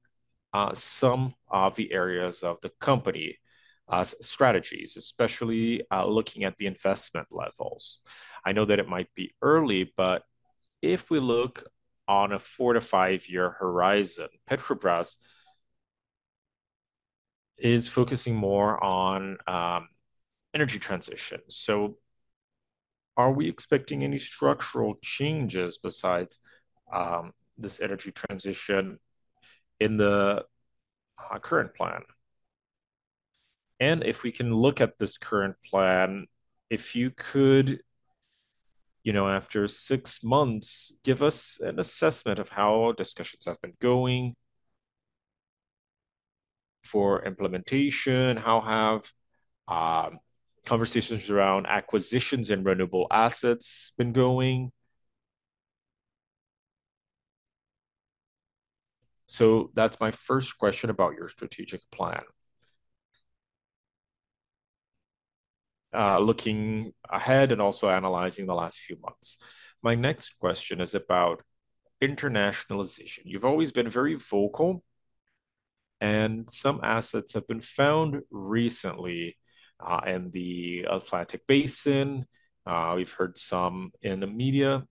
some of the areas of the company strategies, especially looking at the investment levels. I know that it might be early, but if we look on a 4-5-year horizon, Petrobras is focusing more on energy transition. So are we expecting any structural changes besides this energy transition in the current plan? If we can look at this current plan, if you could, you know, after six months, give us an assessment of how discussions have been going for implementation, how have conversations around acquisitions and renewable assets been going? So that's my first question about your strategic plan. Looking ahead and also analyzing the last few months, my next question is about internationalization. You've always been very vocal, and some assets have been found recently in the Atlantic Basin. We've heard some in the media,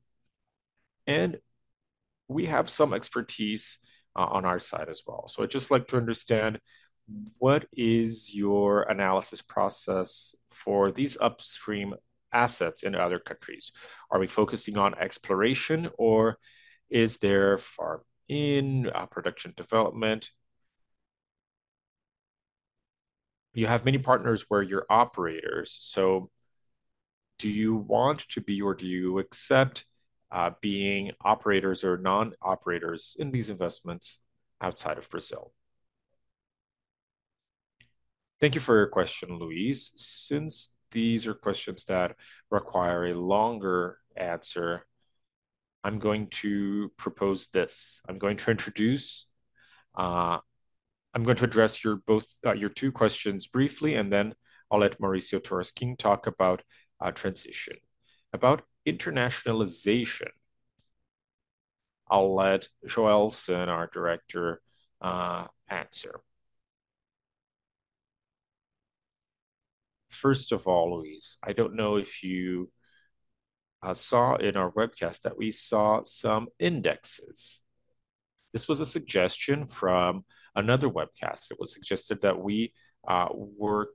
and we have some expertise on our side as well. So I'd just like to understand, what is your analysis process for these upstream assets in other countries? Are we focusing on exploration, or is there far in production development? You have many partners where you're operators, so do you want to be or do you accept, being operators or non-operators in these investments outside of Brazil? Thank you for your question, Luiz. Since these are questions that require a longer answer, I'm going to propose this: I'm going to introduce... I'm going to address your both, your two questions briefly, and then I'll let Maurício Tolmasquim talk about, transition. About internationalization, I'll let Joelson, our director, answer. First of all, Luiz, I don't know if you, saw in our webcast that we saw some indexes. This was a suggestion from another webcast. It was suggested that we, work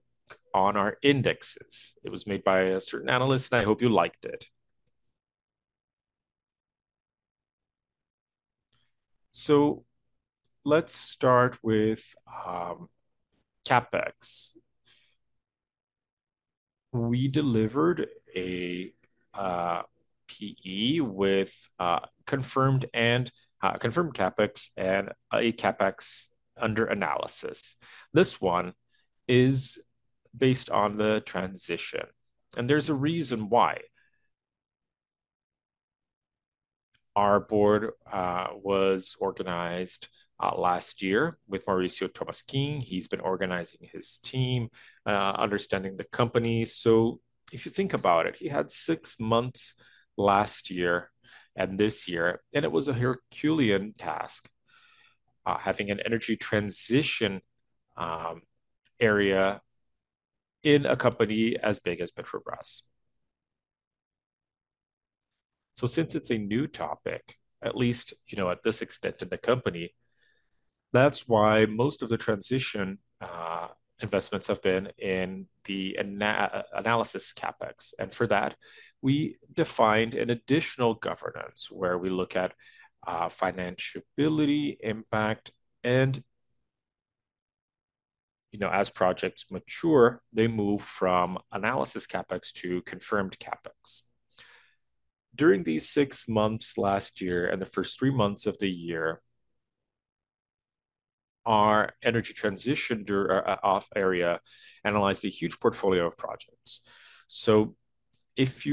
on our indexes. It was made by a certain analyst, and I hope you liked it. So let's start with, CapEx. We delivered a PE with confirmed and confirmed CapEx and a CapEx under analysis. This one is based on the transition, and there's a reason why. Our board was organized last year with Maurício Tolmasquim. He's been organizing his team understanding the company. So if you think about it, he had six months last year and this year, and it was a Herculean task having an energy transition area in a company as big as Petrobras. So since it's a new topic, at least, you know, at this extent in the company, that's why most of the transition investments have been in the analysis CapEx, and for that, we defined an additional governance where we look at financability, impact, and, you know, as projects mature, they move from analysis CapEx to confirmed CapEx. During these six months last year and the first three months of the year, our energy transition area analyzed a huge portfolio of projects. So if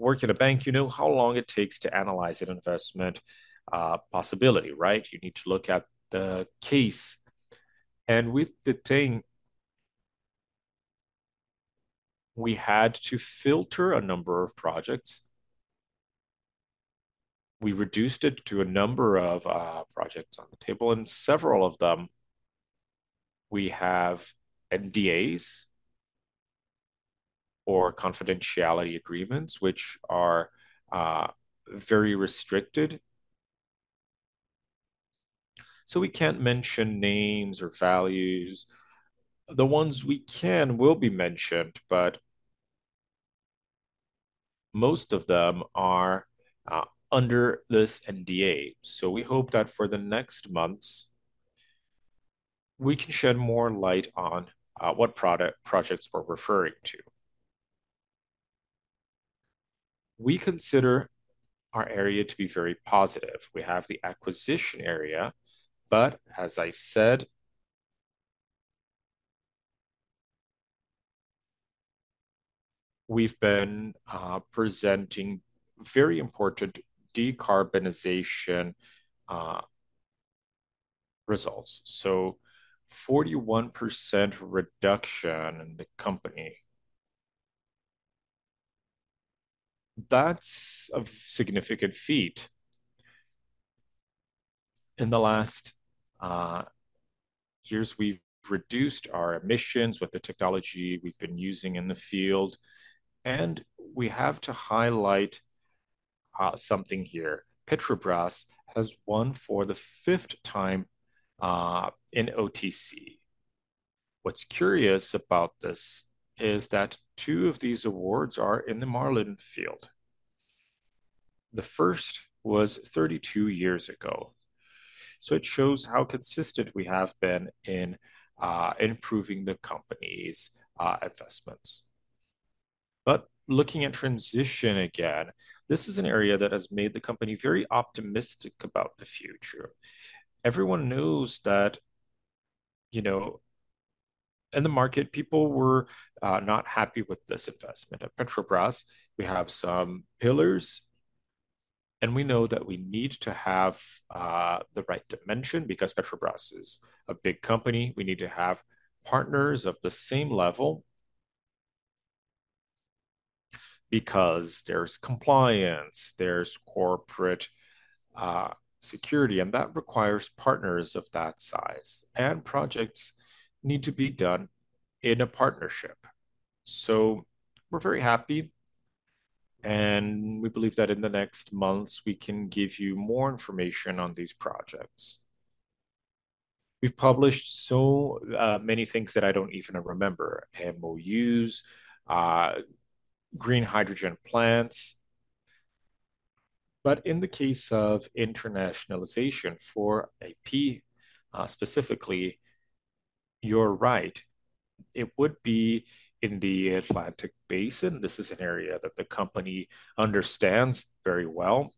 you work in a bank, you know how long it takes to analyze an investment possibility, right? You need to look at the case. And with the team, we had to filter a number of projects. We reduced it to a number of projects on the table, and several of them, we have NDAs or confidentiality agreements, which are very restricted. So we can't mention names or values. The ones we can, will be mentioned, but most of them are under this NDA. So we hope that for the next months, we can shed more light on what projects we're referring to. We consider our area to be very positive. We have the acquisition area, but as I said, we've been presenting very important decarbonization results. So 41% reduction in the company, that's a significant feat. In the last years, we've reduced our emissions with the technology we've been using in the field, and we have to highlight something here. Petrobras has won for the fifth time in OTC. What's curious about this is that two of these awards are in the Marlim field. The first was 32 years ago, so it shows how consistent we have been in improving the company's investments. But looking at transition again, this is an area that has made the company very optimistic about the future. Everyone knows that, you know, in the market, people were not happy with this investment. At Petrobras, we have some pillars, and we know that we need to have the right dimension because Petrobras is a big company. We need to have partners of the same level, because there's compliance, there's corporate security, and that requires partners of that size, and projects need to be done in a partnership. So we're very happy, and we believe that in the next months, we can give you more information on these projects. We've published so many things that I don't even remember, and we'll use green hydrogen plants. But in the case of internationalization for E&P specifically, you're right, it would be in the Atlantic Basin. This is an area that the company understands very well.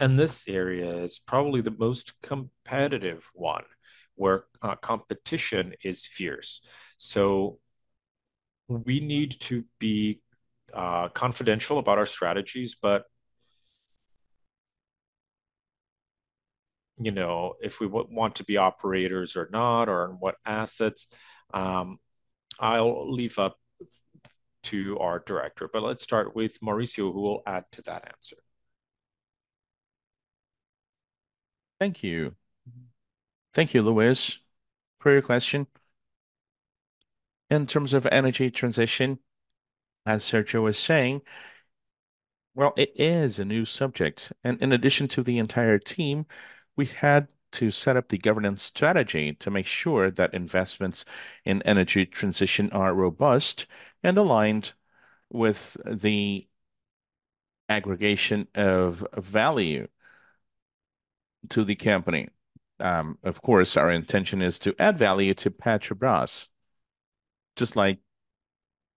And this area is probably the most competitive one, where competition is fierce. So we need to be confidential about our strategies, but, you know, if we want to be operators or not, or what assets, I'll leave up to our director, but let's start with Maurício, who will add to that answer. Thank you. Thank you, Luiz, for your question. In terms of energy transition, as Sergio was saying, well, it is a new subject, and in addition to the entire team, we've had to set up the governance strategy to make sure that investments in energy transition are robust and aligned with the aggregation of value to the company. Of course, our intention is to add value to Petrobras, just like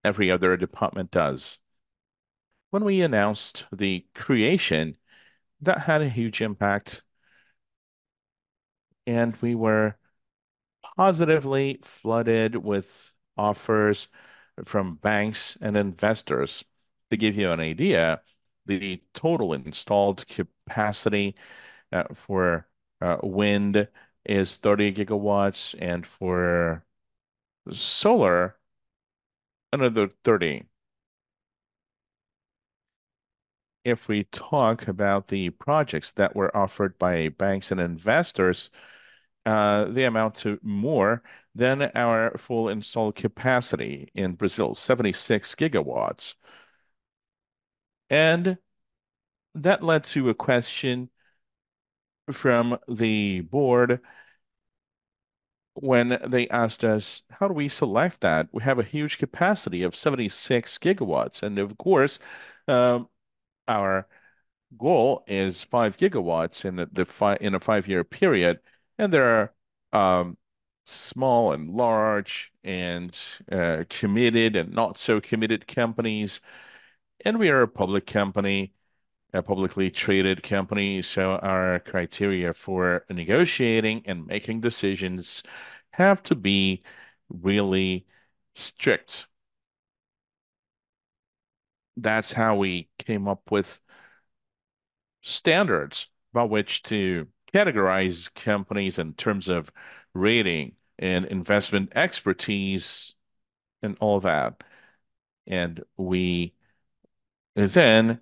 every other department does. When we announced the creation, that had a huge impact, and we were positively flooded with offers from banks and investors. To give you an idea, the total installed capacity for wind is 30 GW, and for solar, another 30 GW. If we talk about the projects that were offered by banks and investors, they amount to more than our full installed capacity in Brazil, 76 gigawatts, and that led to a question from the board when they asked us: "How do we select that? We have a huge capacity of 76 GW." And of course, our goal is five gigawatts in a five-year period, and there are small and large and committed and not so committed companies, and we are a public company, a publicly traded company, so our criteria for negotiating and making decisions have to be really strict. That's how we came up with standards by which to categorize companies in terms of rating and investment expertise and all that. And we then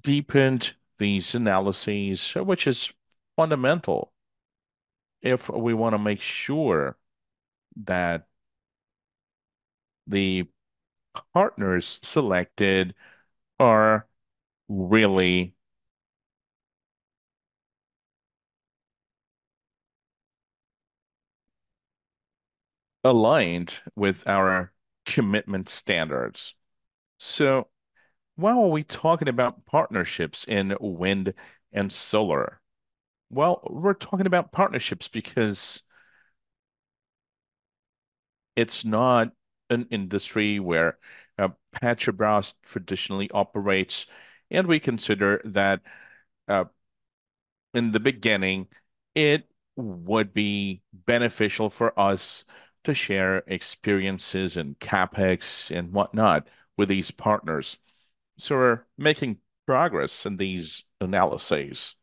deepened these analyses, which is fundamental. If we wanna make sure that the partners selected are really aligned with our commitment standards. So why are we talking about partnerships in wind and solar? Well, we're talking about partnerships because it's not an industry where, Petrobras traditionally operates, and we consider that, in the beginning, it would be beneficial for us to share experiences and CapEx and whatnot with these partners. So we're making progress in these analyses.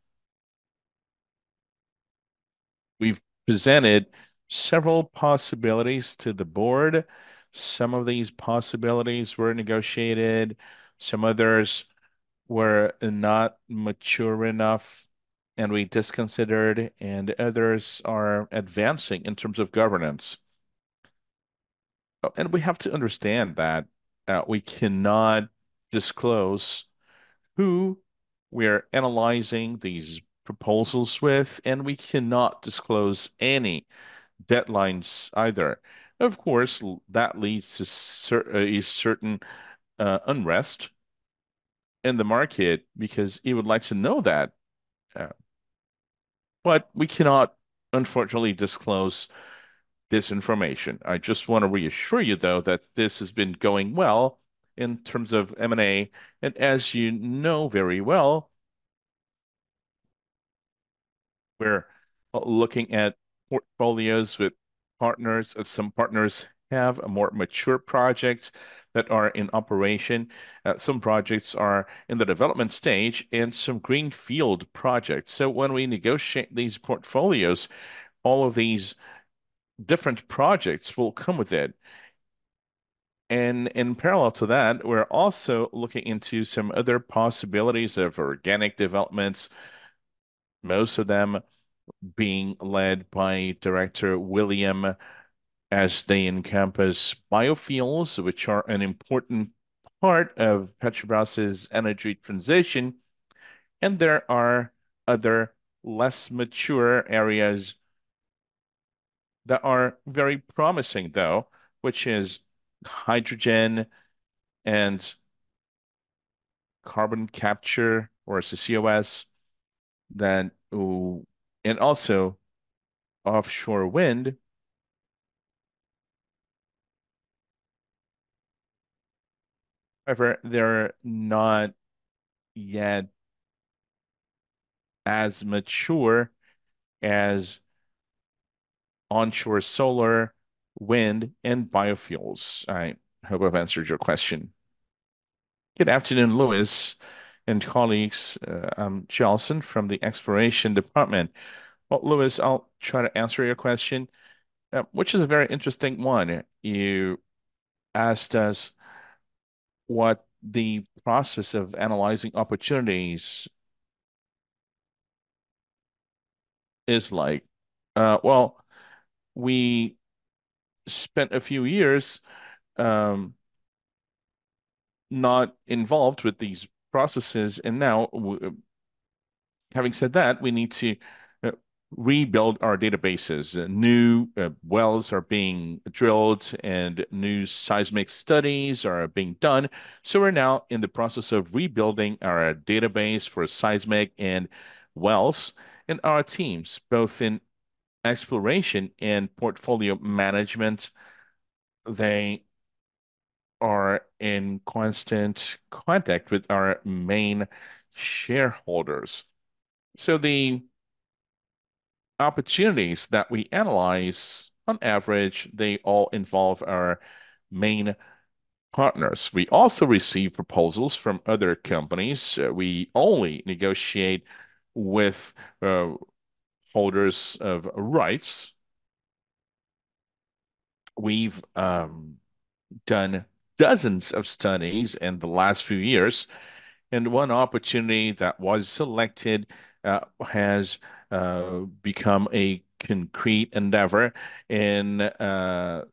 We've presented several possibilities to the board. Some of these possibilities were negotiated, some others were not mature enough, and we disconsidered, and others are advancing in terms of governance. And we have to understand that, we cannot disclose who we are analyzing these proposals with, and we cannot disclose any deadlines either. Of course, that leads to a certain unrest in the market because you would like to know that, but we cannot, unfortunately, disclose this information. I just wanna reassure you, though, that this has been going well in terms of M&A. And as you know very well, we're looking at portfolios with partners, some partners have a more mature projects that are in operation, some projects are in the development stage, and some greenfield projects. So when we negotiate these portfolios, all of these different projects will come with it. And in parallel to that, we're also looking into some other possibilities of organic developments, most of them being led by Director William, as they encompass biofuels, which are an important part of Petrobras' energy transition. And there are other less mature areas that are very promising, though, which is hydrogen and carbon capture, or CCUS., then, and also offshore wind. However, they're not yet as mature as onshore solar, wind, and biofuels. I hope I've answered your question. Good afternoon, Luiz and colleagues. I'm Joelson from the Exploration Department. Well, Luiz, I'll try to answer your question, which is a very interesting one. You asked us what the process of analyzing opportunities is like. Well, we spent a few years not involved with these processes, and now having said that, we need to rebuild our databases. New wells are being drilled, and new seismic studies are being done. So we're now in the process of rebuilding our database for seismic and wells. And our teams, both in exploration and portfolio management, they are in constant contact with our main shareholders. So the opportunities that we analyze, on average, they all involve our main partners. We also receive proposals from other companies. We only negotiate with holders of rights. We've done dozens of studies in the last few years, and one opportunity that was selected has become a concrete endeavor in São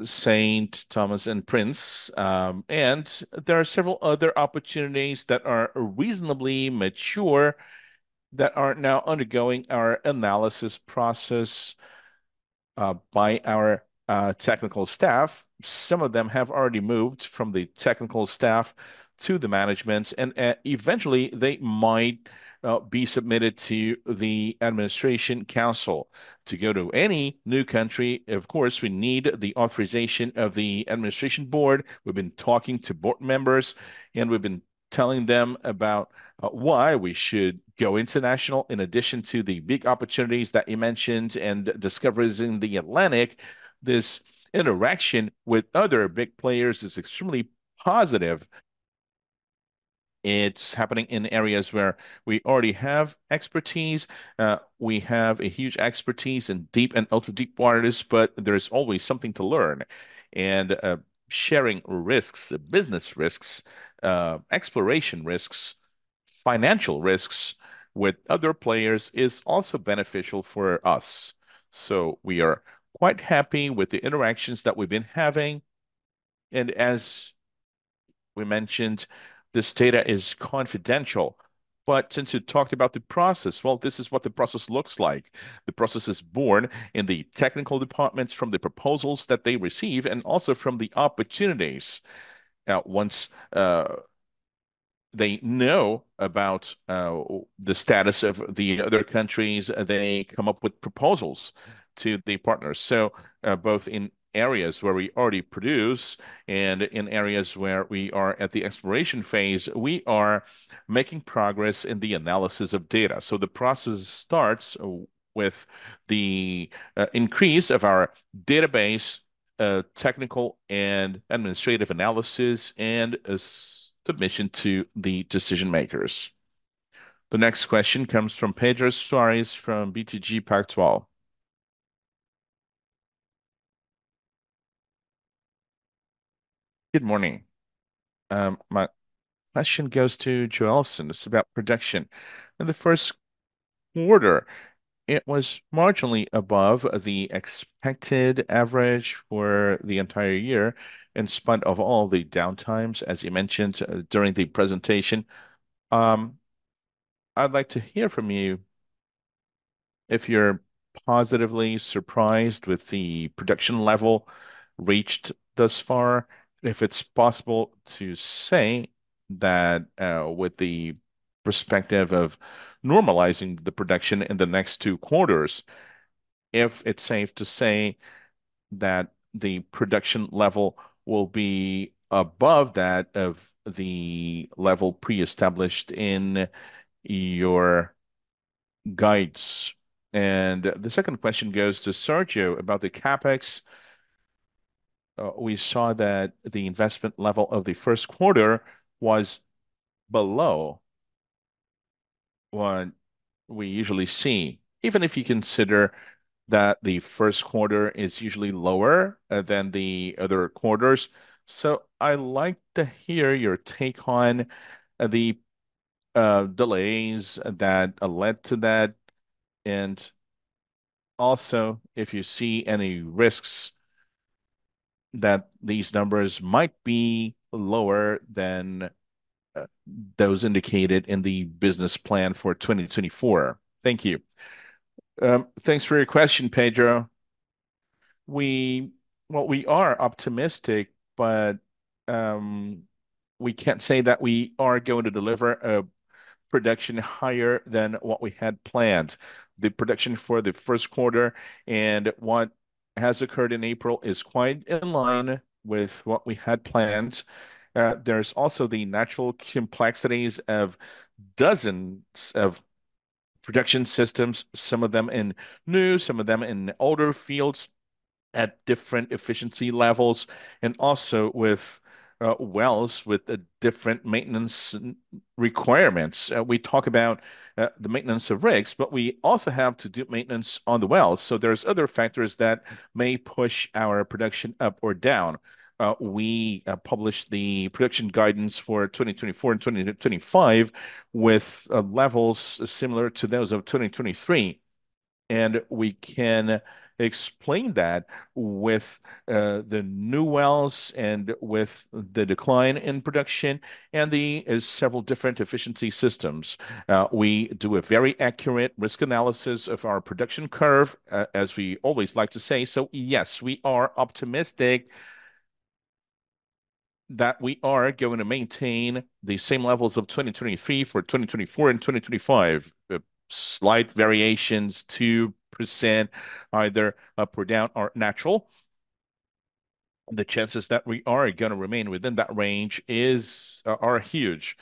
Tomé and Príncipe. And there are several other opportunities that are reasonably mature, that are now undergoing our analysis process by our technical staff. Some of them have already moved from the technical staff to the management, and eventually, they might be submitted to the administration council. To go to any new country, of course, we need the authorization of the administration board. We've been talking to board members, and we've been telling them about why we should go international. In addition to the big opportunities that you mentioned and discoveries in the Atlantic, this interaction with other big players is extremely positive. It's happening in areas where we already have expertise. We have a huge expertise in deep and ultra-deep waters, but there is always something to learn. And sharing risks, business risks, exploration risks, financial risks with other players is also beneficial for us. So we are quite happy with the interactions that we've been having, and as we mentioned, this data is confidential. But since you talked about the process, well, this is what the process looks like. The process is born in the technical departments from the proposals that they receive, and also from the opportunities. Once they know about the status of the other countries, they come up with proposals to the partners. So both in areas where we already produce and in areas where we are at the exploration phase, we are making progress in the analysis of data. So the process starts with the increase of our database, technical and administrative analysis, and a submission to the decision-makers. The next question comes from Pedro Soares from BTG Pactual. Good morning. My question goes to Joelson. It's about production. In the first quarter, it was marginally above the expected average for the entire year, in spite of all the downtimes, as you mentioned during the presentation. I'd like to hear from you if you're positively surprised with the production level reached thus far, and if it's possible to say that, with the perspective of normalizing the production in the next two quarters, if it's safe to say that the production level will be above that of the level pre-established in your guides? The second question goes to Sérgio about the CapEx. We saw that the investment level of the first quarter was below what we usually see, even if you consider that the first quarter is usually lower than the other quarters. I like to hear your take on the delays that led to that, and also if you see any risks that these numbers might be lower than those indicated in the business plan for 2024. Thank you. Thanks for your question, Pedro. Well, we are optimistic, but we can't say that we are going to deliver a production higher than what we had planned. The production for the first quarter and what has occurred in April is quite in line with what we had planned. There's also the natural complexities of dozens of production systems, some of them in new, some of them in older fields, at different efficiency levels, and also with wells with different maintenance requirements. We talk about the maintenance of rigs, but we also have to do maintenance on the wells, so there's other factors that may push our production up or down. We published the production guidance for 2024 and 2025 with levels similar to those of 2023, and we can explain that with the new wells and with the decline in production and the several different efficiency systems. We do a very accurate risk analysis of our production curve, as we always like to say. So yes, we are optimistic that we are going to maintain the same levels of 2023 for 2024 and 2025. Slight variations, 2%, either up or down, are natural. The chances that we are gonna remain within that range is, are huge.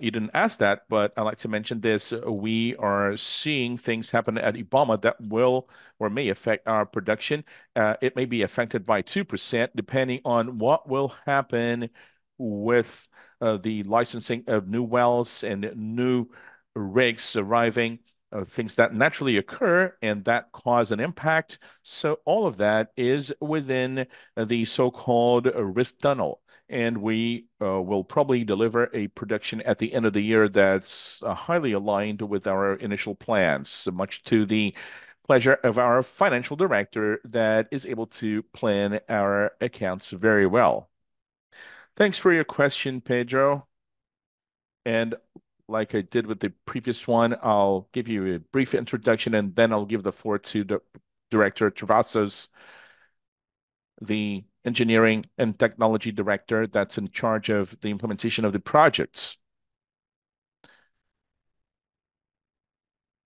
You didn't ask that, but I'd like to mention this: We are seeing things happen at Ibama that will or may affect our production. It may be affected by 2%, depending on what will happen with, the licensing of new wells and new rigs arriving, things that naturally occur and that cause an impact. All of that is within the so-called risk tunnel, and we, will probably deliver a production at the end of the year that's, highly aligned with our initial plans, much to the pleasure of our financial director, that is able to plan our accounts very well. Thanks for your question, Pedro. Like I did with the previous one, I'll give you a brief introduction, and then I'll give the floor to Director Travassos, the engineering and technology director that's in charge of the implementation of the projects.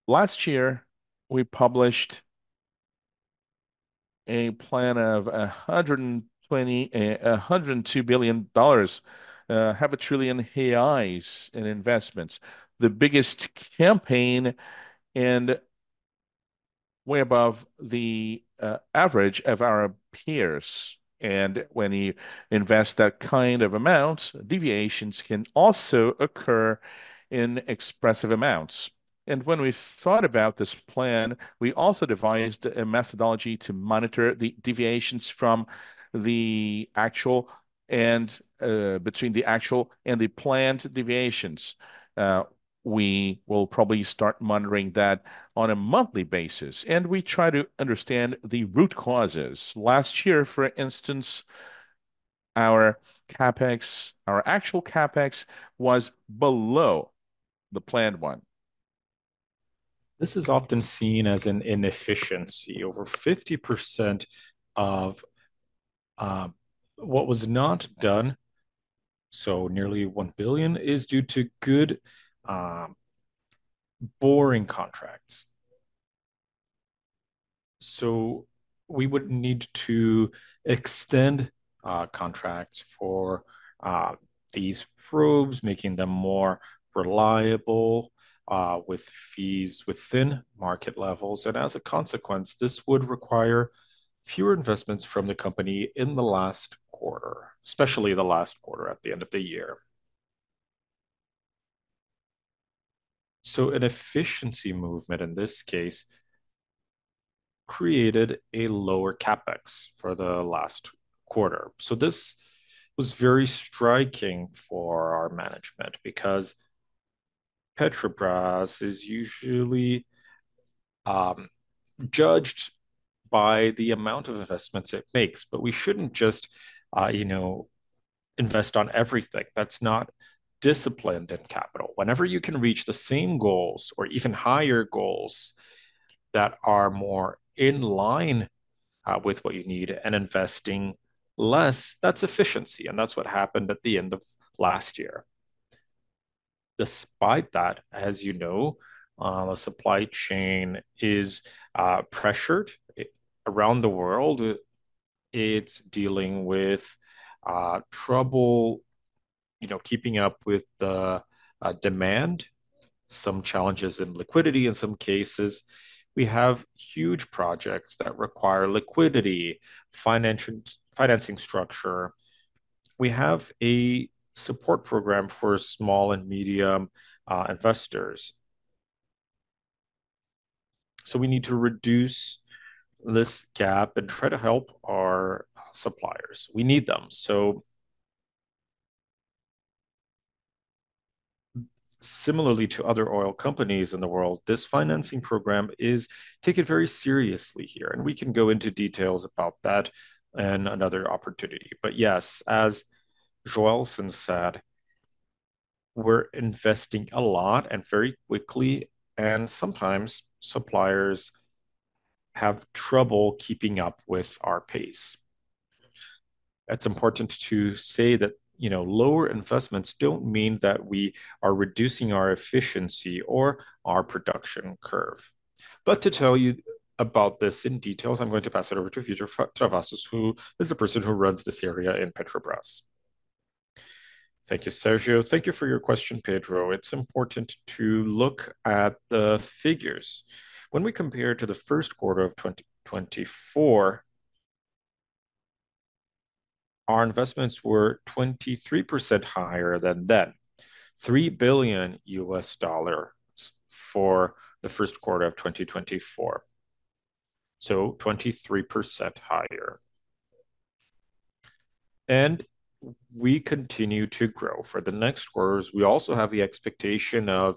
Last year, we published a plan of 120... $102 billion, 500 billion reais in investments, the biggest campaign and way above the average of our peers. And when you invest that kind of amounts, deviations can also occur in expressive amounts.... And when we thought about this plan, we also devised a methodology to monitor the deviations from the actual and between the actual and the planned deviations. We will probably start monitoring that on a monthly basis, and we try to understand the root causes. Last year, for instance, our CapEx, our actual CapEx, was below the planned one. This is often seen as an inefficiency. Over 50% of what was not done, so nearly $1 billion, is due to good, boring contracts. So we would need to extend contracts for these probes, making them more reliable, with fees within market levels. And as a consequence, this would require fewer investments from the company in the last quarter, especially the last quarter at the end of the year. So an efficiency movement, in this case, created a lower CapEx for the last quarter. So this was very striking for our management because Petrobras is usually judged by the amount of investments it makes. But we shouldn't just, you know, invest on everything. That's not capital discipline. Whenever you can reach the same goals or even higher goals that are more in line with what you need, and investing less, that's efficiency, and that's what happened at the end of last year. Despite that, as you know, our supply chain is pressured around the world. It's dealing with trouble, you know, keeping up with the demand, some challenges in liquidity in some cases. We have huge projects that require liquidity, financing structure. We have a support program for small and medium investors. So we need to reduce this gap and try to help our suppliers. We need them. So similarly to other oil companies in the world, this financing program is taken very seriously here, and we can go into details about that in another opportunity. But yes, as Joelson said, we're investing a lot and very quickly, and sometimes suppliers have trouble keeping up with our pace. It's important to say that, you know, lower investments don't mean that we are reducing our efficiency or our production curve. But to tell you about this in detail, I'm going to pass it over to Carlos Travassos, who is the person who runs this area in Petrobras. Thank you, Sérgio. Thank you for your question, Pedro. It's important to look at the figures. When we compare to the first quarter of 2024, our investments were 23% higher than then, $3 billion for the first quarter of 2024, so 23% higher. We continue to grow. For the next quarters, we also have the expectation of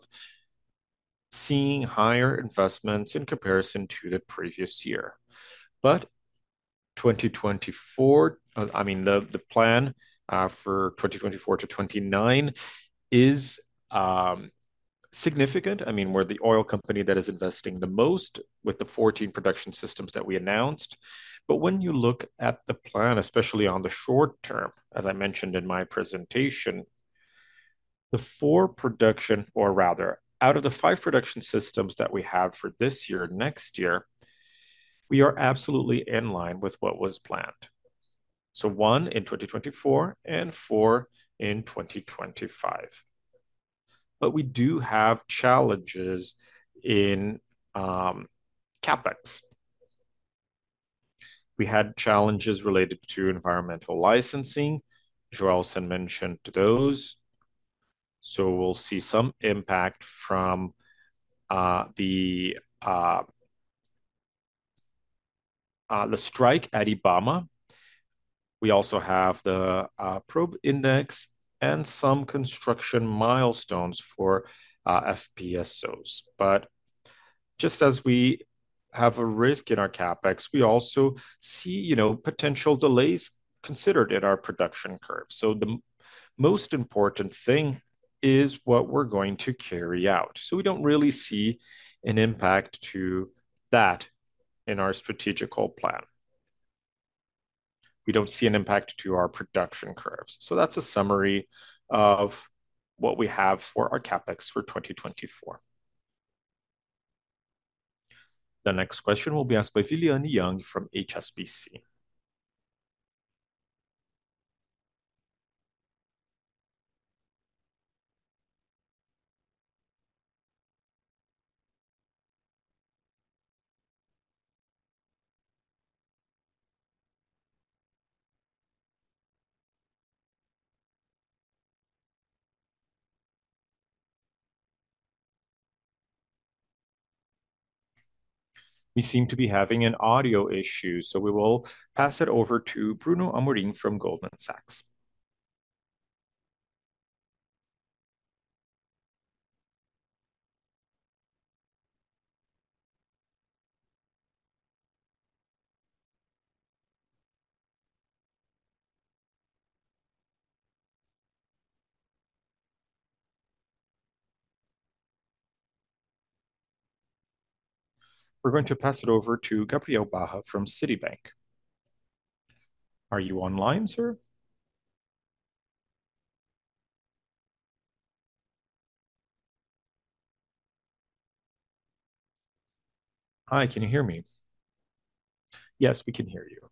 seeing higher investments in comparison to the previous year. Twenty twenty-four, I mean, the plan for 2024 to 2029 is significant. I mean, we're the oil company that is investing the most with the 14 production systems that we announced. But when you look at the plan, especially on the short term, as I mentioned in my presentation, the four production, or rather, out of the five production systems that we have for this year, next year, we are absolutely in line with what was planned. So one in 2024 and four in 2025. But we do have challenges in CapEx. We had challenges related to environmental licensing. Joelson mentioned those. So we'll see some impact from the strike at Ibama. We also have the probe index and some construction milestones for FPSOs. But just as we have a risk in our CapEx, we also see, you know, potential delays considered in our production curve. So the most important thing is what we're going to carry out. So we don't really see an impact to that in our strategic plan. We don't see an impact to our production curves. So that's a summary of what we have for our CapEx for 2024. The next question will be asked by Philion Yeung from HSBC. We seem to be having an audio issue, so we will pass it over to Bruno Amorim from Goldman Sachs. We're going to pass it over to Gabriel Barra from Citibank. Are you online, sir? Hi, can you hear me? Yes, we can hear you.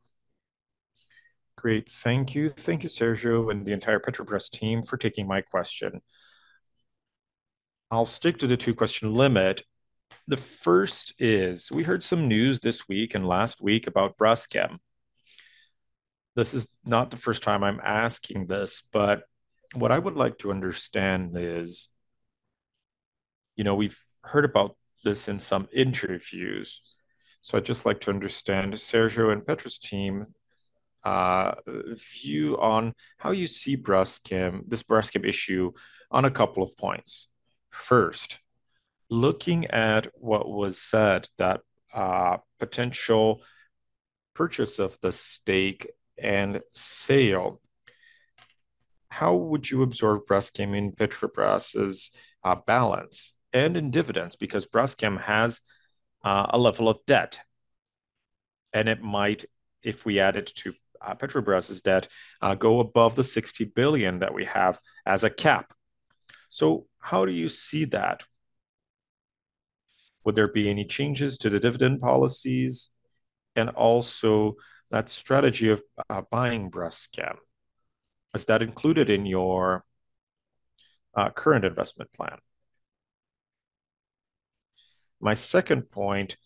Great. Thank you. Thank you, Sergio, and the entire Petrobras team for taking my question. I'll stick to the two-question limit. The first is, we heard some news this week and last week about Braskem. This is not the first time I'm asking this, but what I would like to understand is, you know, we've heard about this in some interviews, so I'd just like to understand Sergio and Petro's team, view on how you see Braskem, this Braskem issue on a couple of points. First, looking at what was said, that potential purchase of the stake and sale, how would you absorb Braskem in Petrobras's balance and in dividends? Because Braskem has a level of debt, and it might, if we add it to Petrobras's debt, go above the $60 billion that we have as a cap. So how do you see that? Would there be any changes to the dividend policies? And also, that strategy of buying Braskem, is that included in your current investment plan? My second point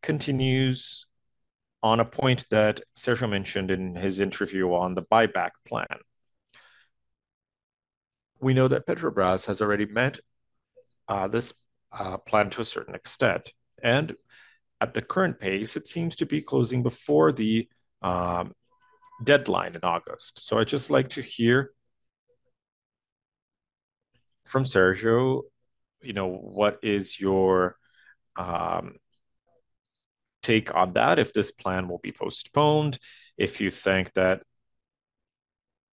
continues on a point that Sérgio mentioned in his interview on the buyback plan. We know that Petrobras has already met this plan to a certain extent, and at the current pace, it seems to be closing before the deadline in August. So I'd just like to hear from Sérgio, you know, what is your take on that, if this plan will be postponed, if you think that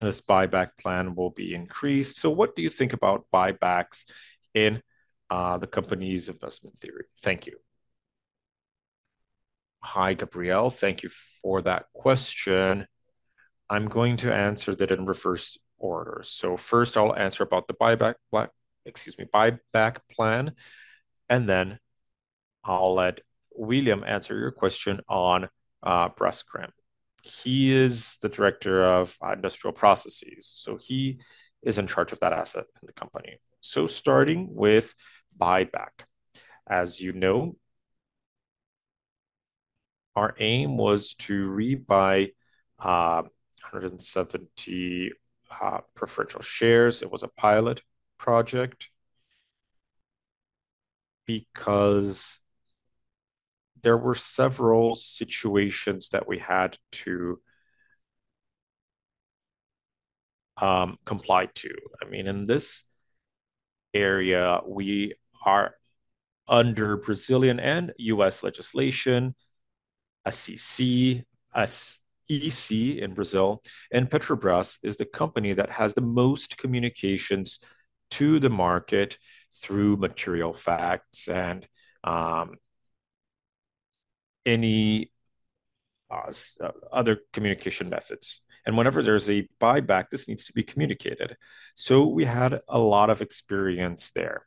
this buyback plan will be increased. So what do you think about buybacks in the company's investment theory? Thank you. Hi, Gabriel. Thank you for that question. I'm going to answer that in reverse order. So first, I'll answer about the buyback pla- excuse me, buyback plan, and then I'll let William answer your question on Braskem. He is the Director of Industrial Processes, so he is in charge of that asset in the company. So starting with buyback. As you know, our aim was to rebuy 170 preferential shares. It was a pilot project because there were several situations that we had to comply to. I mean, in this area, we are under Brazilian and U.S. legislation, SEC, ACEC in Brazil, and Petrobras is the company that has the most communications to the market through material facts and any other communication methods. And whenever there's a buyback, this needs to be communicated. So we had a lot of experience there.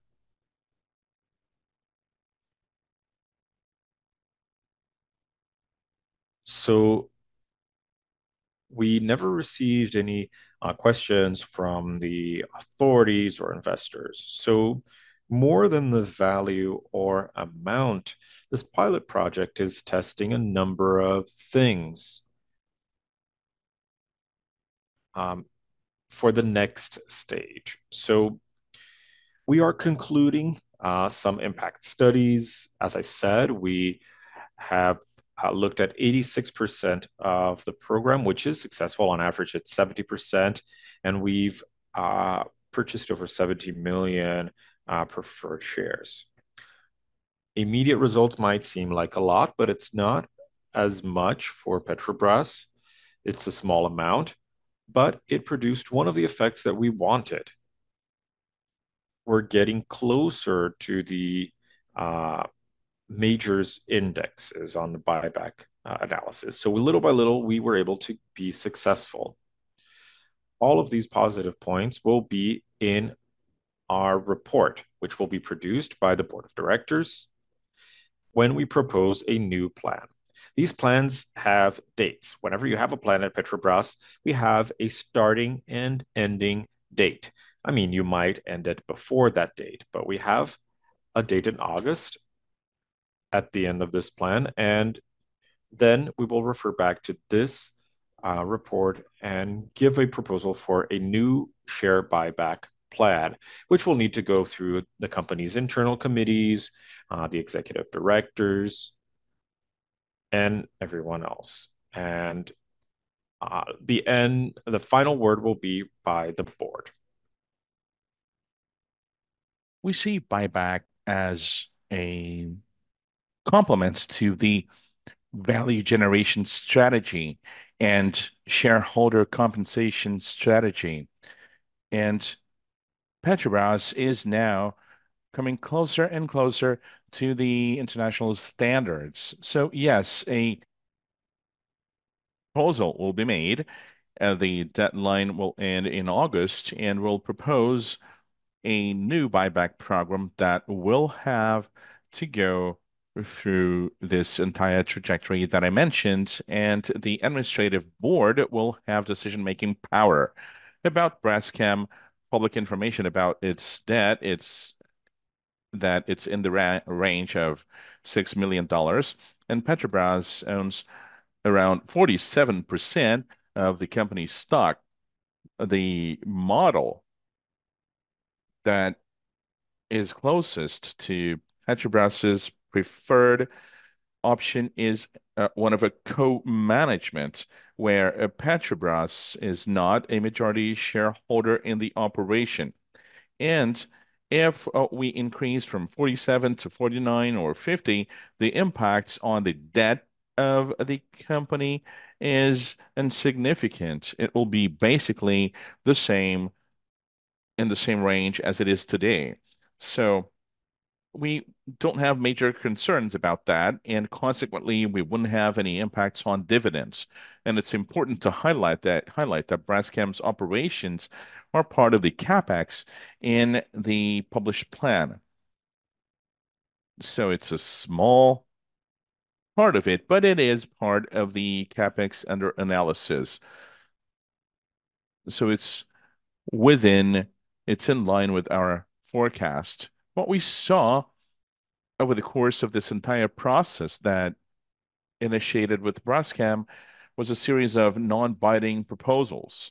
So we never received any questions from the authorities or investors. So more than the value or amount, this pilot project is testing a number of things for the next stage. So we are concluding some impact studies. As I said, we have looked at 86% of the program, which is successful. On average, it's 70%, and we've purchased over 70 million preferred shares. Immediate results might seem like a lot, but it's not as much for Petrobras. It's a small amount, but it produced one of the effects that we wanted. We're getting closer to the majors' indexes on the buyback analysis. So little by little, we were able to be successful. All of these positive points will be in our report, which will be produced by the board of directors when we propose a new plan. These plans have dates. Whenever you have a plan at Petrobras, we have a starting and ending date. I mean, you might end it before that date, but we have a date in August-... at the end of this plan, and then we will refer back to this, report and give a proposal for a new share buyback plan, which will need to go through the company's internal committees, the executive directors, and everyone else. And, the end, the final word will be by the board. We see buyback as a complement to the value generation strategy and shareholder compensation strategy. And Petrobras is now coming closer and closer to the international standards. So yes, a proposal will be made, the deadline will end in August, and we'll propose a new buyback program that will have to go through this entire trajectory that I mentioned, and the administrative board will have decision-making power. About Braskem, public information about its debt, it's that it's in the range of $6 million, and Petrobras owns around 47% of the company's stock. The model that is closest to Petrobras' preferred option is one of a co-management, where Petrobras is not a majority shareholder in the operation. And if we increase from 47% to 49% or 50%, the impact on the debt of the company is insignificant. It will be basically the same, in the same range as it is today. So we don't have major concerns about that, and consequently, we wouldn't have any impacts on dividends. And it's important to highlight that, highlight that Braskem's operations are part of the CapEx in the published plan. So it's a small part of it, but it is part of the CapEx under analysis. So it's within... It's in line with our forecast. What we saw over the course of this entire process that initiated with Braskem was a series of non-binding proposals.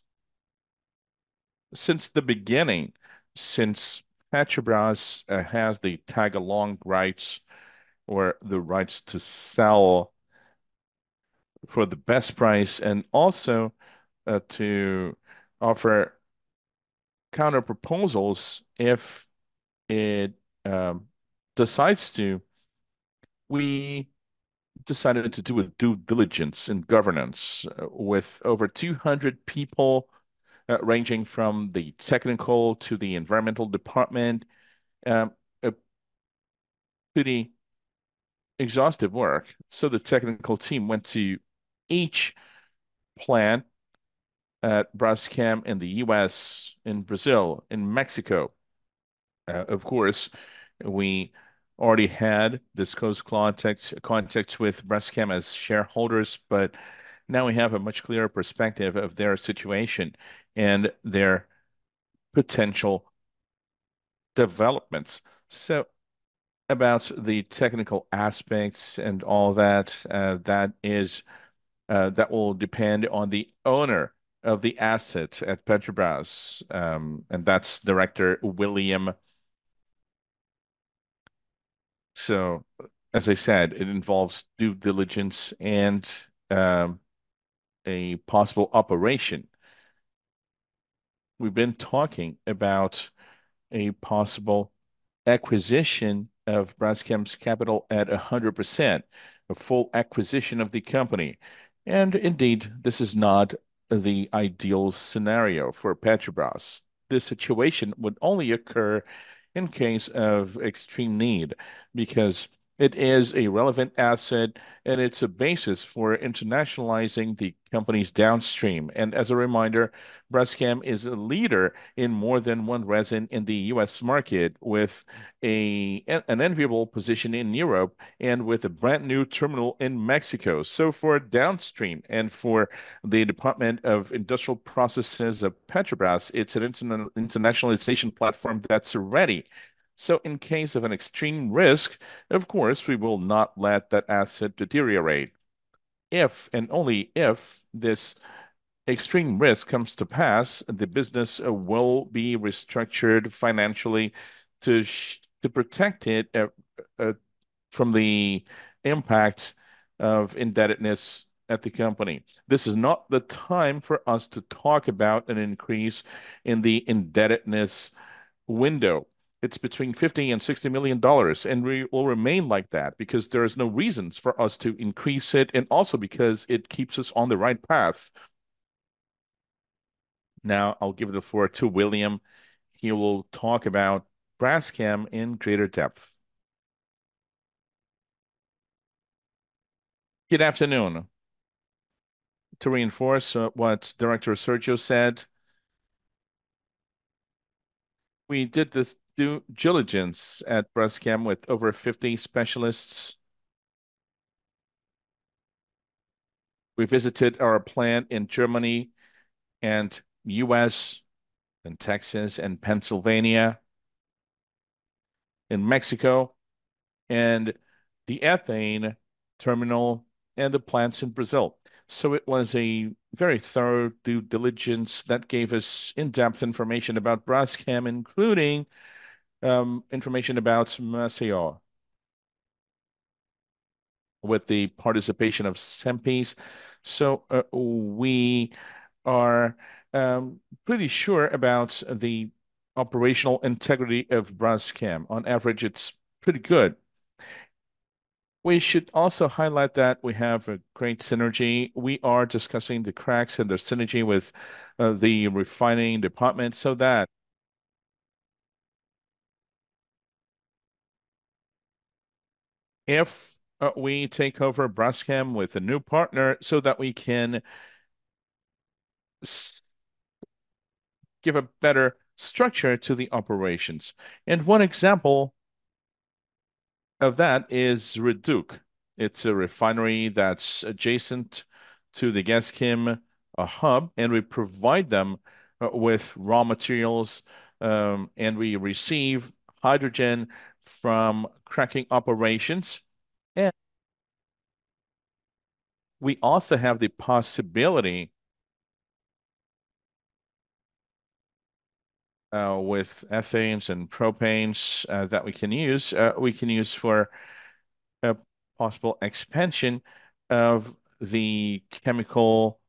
Since the beginning, since Petrobras has the tag-along rights or the rights to sell for the best price, and also to offer counter proposals if it decides to, we decided to do a due diligence and governance with over 200 people, ranging from the technical to the environmental department. A pretty exhaustive work. So the technical team went to each plant at Braskem in the U.S., in Brazil, in Mexico. Of course, we already had this close contact with Braskem as shareholders, but now we have a much clearer perspective of their situation and their potential developments. So about the technical aspects and all that, that will depend on the owner of the asset at Petrobras, and that's Director William. So, as I said, it involves due diligence and a possible operation. We've been talking about a possible acquisition of Braskem's capital at 100%, a full acquisition of the company, and indeed, this is not the ideal scenario for Petrobras. This situation would only occur in case of extreme need, because it is a relevant asset, and it's a basis for internationalizing the company's downstream. And as a reminder, Braskem is a leader in more than one resin in the U.S. market, with an enviable position in Europe and with a brand-new terminal in Mexico. So for downstream and for the Department of Industrial Processes of Petrobras, it's an internationalization platform that's ready. So in case of an extreme risk, of course, we will not let that asset deteriorate. If, and only if, this extreme risk comes to pass, the business will be restructured financially to protect it from the impact of indebtedness at the company. This is not the time for us to talk about an increase in the indebtedness window. It's between $50 million and $60 million, and we will remain like that, because there is no reasons for us to increase it, and also because it keeps us on the right path. Now, I'll give the floor to William. He will talk about Braskem in greater depth. Good afternoon. To reinforce what Director Sergio said, we did this due diligence at Braskem with over 50 specialists.... We visited our plant in Germany and U.S., and Texas, and Pennsylvania, in Mexico, and the ethane terminal, and the plants in Brazil. So it was a very thorough due diligence that gave us in-depth information about Braskem, including information about Maceió, with the participation of Cenpes. So we are pretty sure about the operational integrity of Braskem. On average, it's pretty good. We should also highlight that we have a great synergy. We are discussing the cracks and the synergy with the refining department so that if we take over Braskem with a new partner, so that we can give a better structure to the operations. And one example of that is Reduc. It's a refinery that's adjacent to the Gaschem hub, and we provide them with raw materials, and we receive hydrogen from cracking operations. We also have the possibility, with ethanes and propanes, that we can use, we can use for a possible expansion of the chemical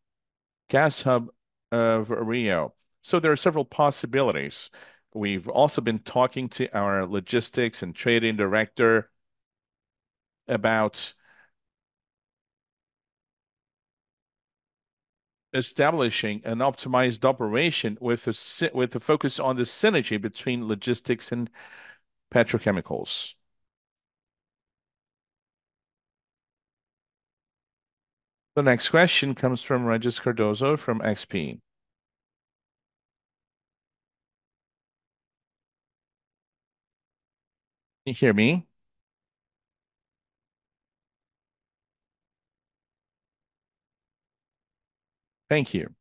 gas hub of Rio. There are several possibilities. We've also been talking to our logistics and trading director about establishing an optimized operation with a focus on the synergy between logistics and petrochemicals. The next question comes from Regis Cardoso from XP. Can you hear me? Thank you.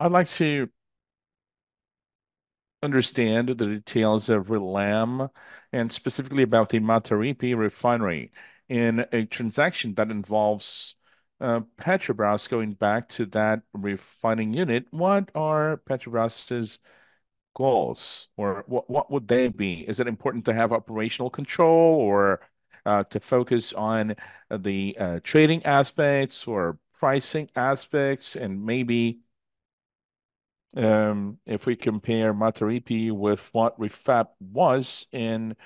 I'd like to understand the details of Rlam, and specifically about the Mataripe Refinery. In a transaction that involves, Petrobras going back to that refining unit, what are Petrobras' goals, or what, what would they be? Is it important to have operational control, or, to focus on the, trading aspects or pricing aspects? And maybe, if we compare Mataripe with what Refap was in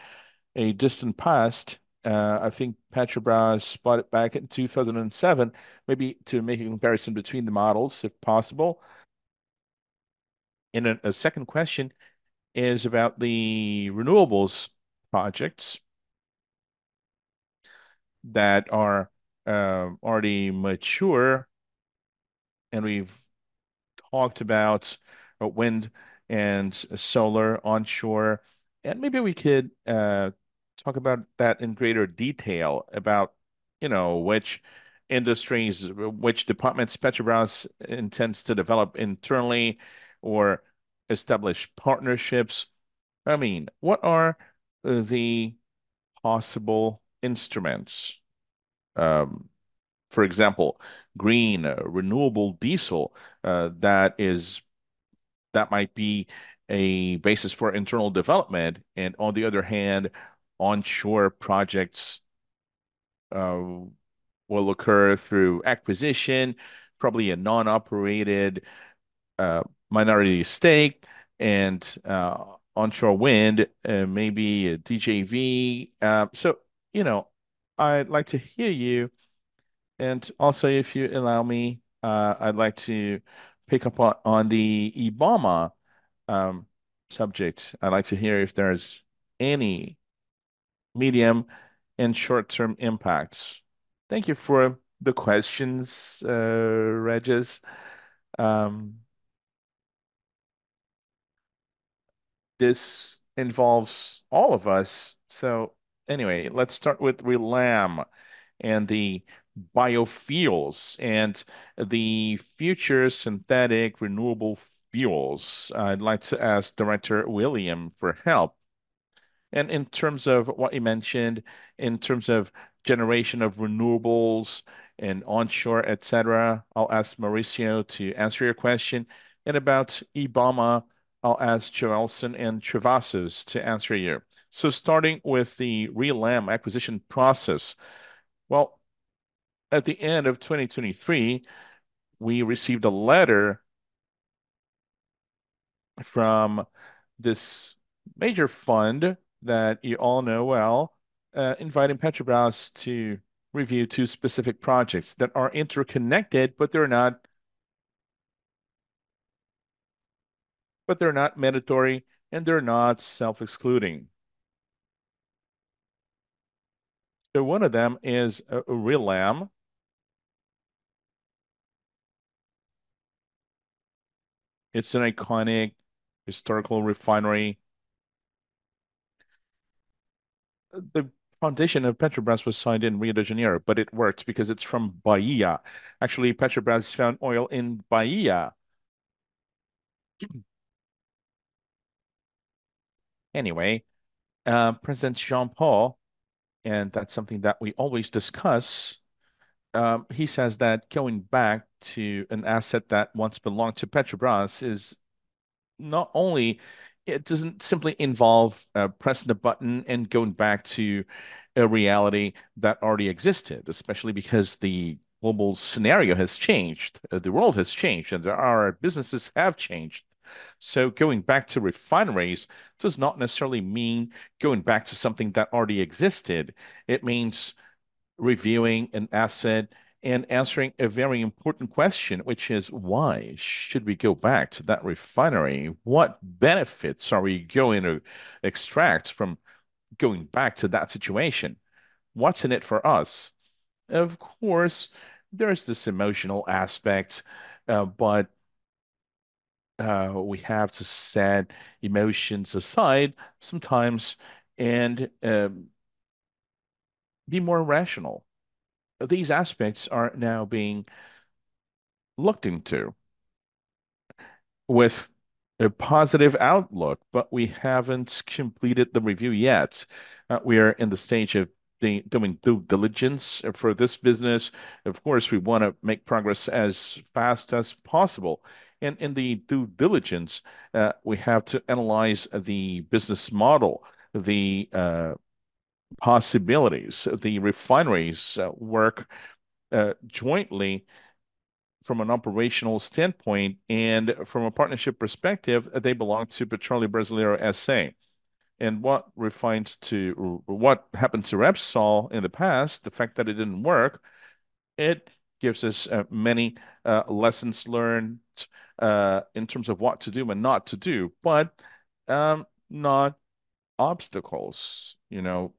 a distant past, I think Petrobras bought it back in 2007, maybe to make a comparison between the models, if possible. And a second question is about the renewables projects that are already mature, and we've talked about wind and solar onshore, and maybe we could talk about that in greater detail, about, you know, which industries, which departments Petrobras intends to develop internally or establish partnerships. I mean, what are the possible instruments? For example, green, renewable diesel, that is... That might be a basis for internal development, and on the other hand, onshore projects will occur through acquisition, probably a non-operated minority stake, and onshore wind, maybe a DJV. So, you know, I'd like to hear you, and also, if you allow me, I'd like to pick up on, on the Ibama, subject. I'd like to hear if there's any medium and short-term impacts. Thank you for the questions, Regis. This involves all of us. So anyway, let's start with Rlam, and the biofuels, and the future synthetic renewable fuels. I'd like to ask Director William for help. And in terms of what you mentioned, in terms of generation of renewables and onshore, et cetera, I'll ask Maurício to answer your question. And about Ibama, I'll ask Joelson and Travassos to answer you. Starting with the Rlam acquisition process, well, at the end of 2023, we received a letter from this major fund that you all know well, inviting Petrobras to review two specific projects that are interconnected, but they're not, but they're not mandatory, and they're not self-excluding. So one of them is Rlam. It's an iconic historical refinery. The foundation of Petrobras was signed in Rio de Janeiro, but it works because it's from Bahia. Actually, Petrobras found oil in Bahia. Anyway, President Jean Paul, and that's something that we always discuss, he says that going back to an asset that once belonged to Petrobras is not only, it doesn't simply involve pressing a button and going back to a reality that already existed, especially because the global scenario has changed, the world has changed, and our businesses have changed. So going back to refineries does not necessarily mean going back to something that already existed. It means reviewing an asset and answering a very important question, which is: Why should we go back to that refinery? What benefits are we going to extract from going back to that situation? What's in it for us? Of course, there is this emotional aspect, but we have to set emotions aside sometimes and be more rational. These aspects are now being looked into with a positive outlook, but we haven't completed the review yet. We are in the stage of doing due diligence for this business. Of course, we want to make progress as fast as possible, and in the due diligence, we have to analyze the business model, the possibilities of the refineries, work jointly from an operational standpoint and from a partnership perspective, they belong to Petróleo Brasileiro S.A. And what refers to, or what happened to Repsol in the past, the fact that it didn't work, it gives us many lessons learned in terms of what to do and not to do, but not obstacles, you know.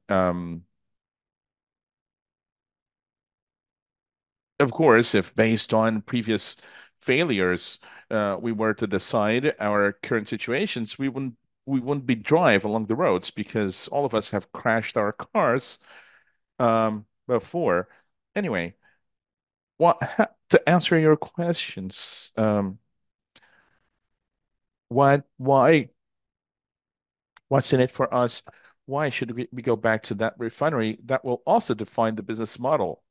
Of course, if based on previous failures, we were to decide our current situations, we wouldn't, we wouldn't be driving along the roads because all of us have crashed our cars before. Anyway, what... To answer your questions, what, why, what's in it for us? Why should we, we go back to that refinery? That will also define the business model.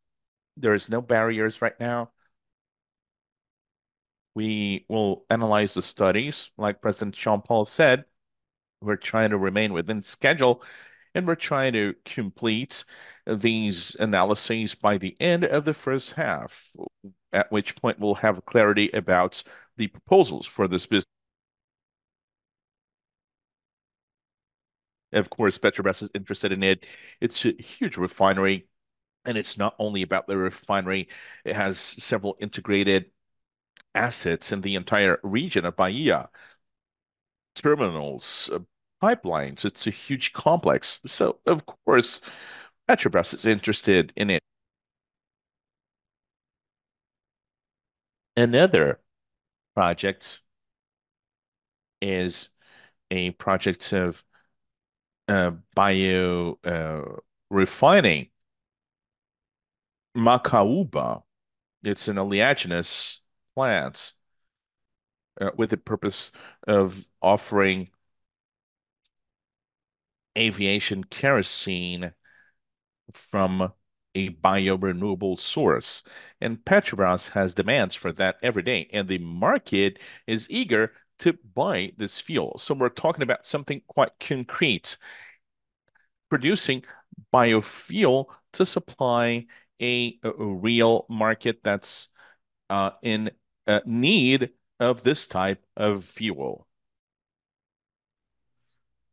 There is no barriers right now. We will analyze the studies, like President Jean Paul said, we're trying to remain within schedule, and we're trying to complete these analyses by the end of the first half, at which point we'll have clarity about the proposals for this business. Of course, Petrobras is interested in it. It's a huge refinery, and it's not only about the refinery, it has several integrated assets in the entire region of Bahia. Terminals, pipelines, it's a huge complex. So of course, Petrobras is interested in it. Another project is a project of bio refining macaúba. It's an oleaginous plants, with the purpose of offering aviation kerosene from a biorenewable source, and Petrobras has demands for that every day, and the market is eager to buy this fuel. So we're talking about something quite concrete, producing biofuel to supply a real market that's in need of this type of fuel.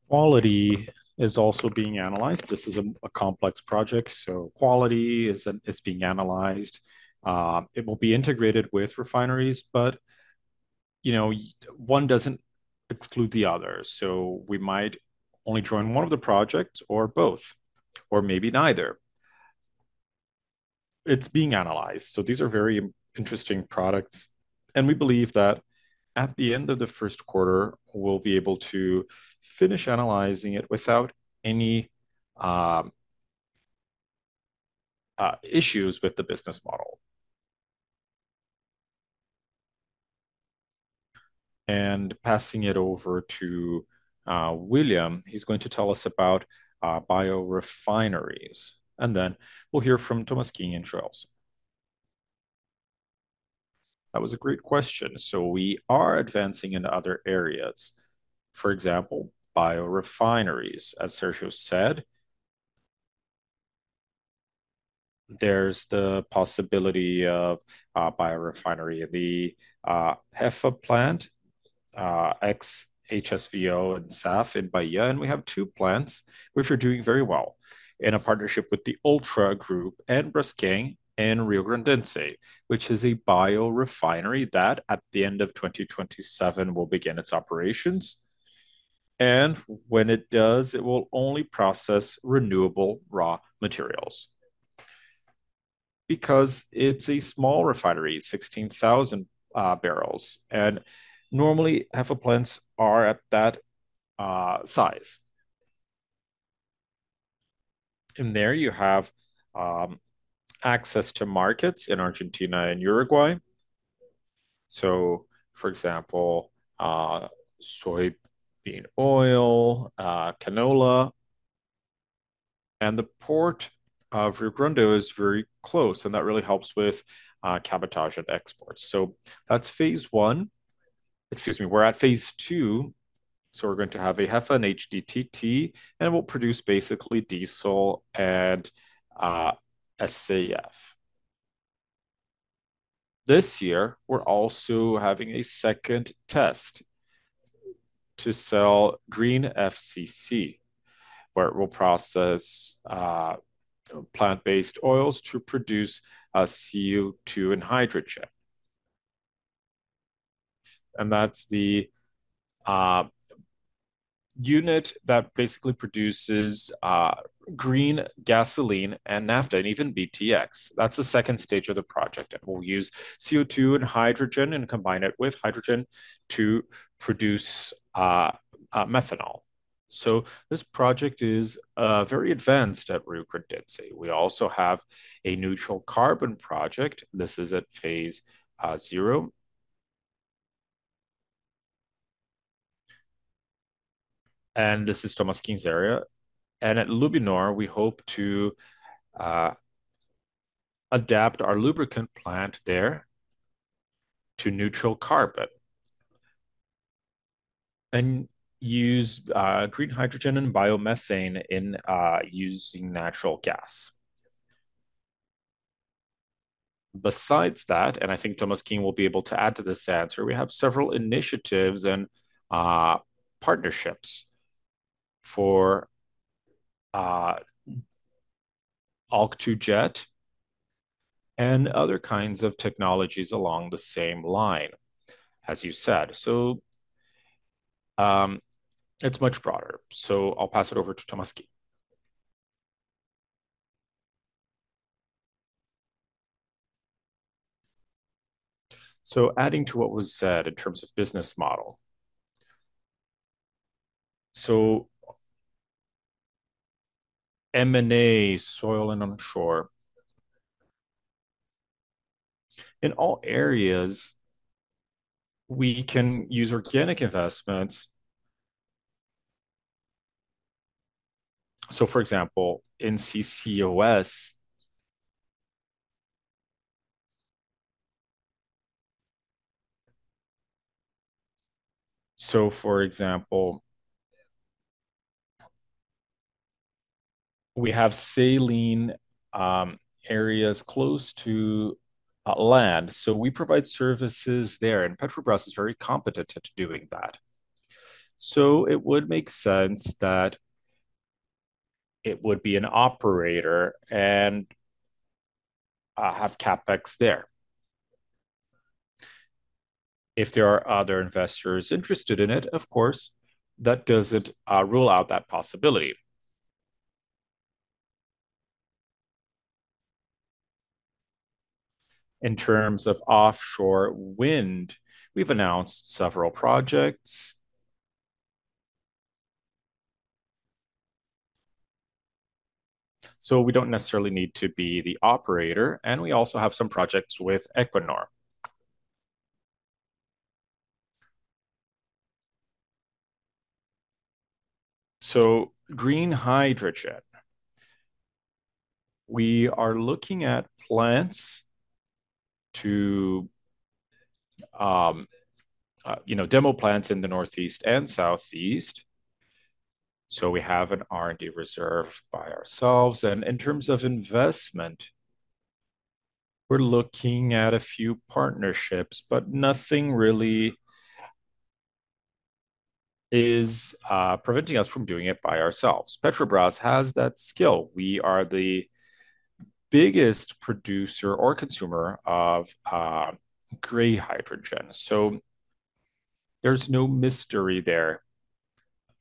Quality is also being analyzed. This is a complex project, so quality is being analyzed. It will be integrated with refineries, but, you know, one doesn't exclude the other. So we might only join one of the projects or both, or maybe neither. It's being analyzed. So these are very interesting products, and we believe that at the end of the first quarter, we'll be able to finish analyzing it without any issues with the business model. And passing it over to William, he's going to tell us about biorefineries, and then we'll hear from Tolmasquim and Carlos. That was a great question. So we are advancing in other areas, for example, biorefineries. As Sergio said, there's the possibility of biorefinery, the HEFA plant, HVO and SAF in Bahia, and we have two plants which are doing very well in a partnership with the Ultra Group and Braskem in Riograndense, which is a biorefinery that at the end of 2027, will begin its operations. And when it does, it will only process renewable raw materials.... because it's a small refinery, 16,000 bbl, and normally HEFA plants are at that size. And there you have access to markets in Argentina and Uruguay. So, for example, soybean oil, canola, and the Port of Rio Grande is very close, and that really helps with cabotage and exports. So that's phase one. Excuse me, we're at phase two, so we're going to have a HEFA and HDTT, and we'll produce basically diesel and SAF. This year, we're also having a second test to sell green FCC, where it will process plant-based oils to produce CO2 and hydrogen. And that's the unit that basically produces green gasoline and naphtha, and even BTX. That's the second stage of the project, and we'll use CO2 and hydrogen, and combine it with hydrogen to produce methanol. So this project is very advanced at Rio Grande, I'd say. We also have a neutral carbon project. This is at phase zero. And this is Tolmasquim's area. And at LUBNOR, we hope to adapt our lubricant plant there to neutral carbon, and use green hydrogen and biomethane in using natural gas. Besides that, and I think Tolmasquim will be able to add to this answer, we have several initiatives and partnerships for alk to jet and other kinds of technologies along the same line, as you said. So it's much broader. So I'll pass it over to Tolmasquim. So adding to what was said in terms of business model, so M&A solar and onshore, in all areas, we can use organic investments. So, for example, in CCUS, we have saline areas close to land, so we provide services there, and Petrobras is very competent at doing that. So it would make sense that it would be an operator and have CapEx there. If there are other investors interested in it, of course, that doesn't rule out that possibility. In terms of offshore wind, we've announced several projects. So we don't necessarily need to be the operator, and we also have some projects with Equinor. So green hydrogen, we are looking at plants to you know demo plants in the northeast and southeast, so we have an R&D reserve by ourselves. And in terms of investment, we're looking at a few partnerships, but nothing really is preventing us from doing it by ourselves. Petrobras has that skill. We are the biggest producer or consumer of gray hydrogen, so there's no mystery there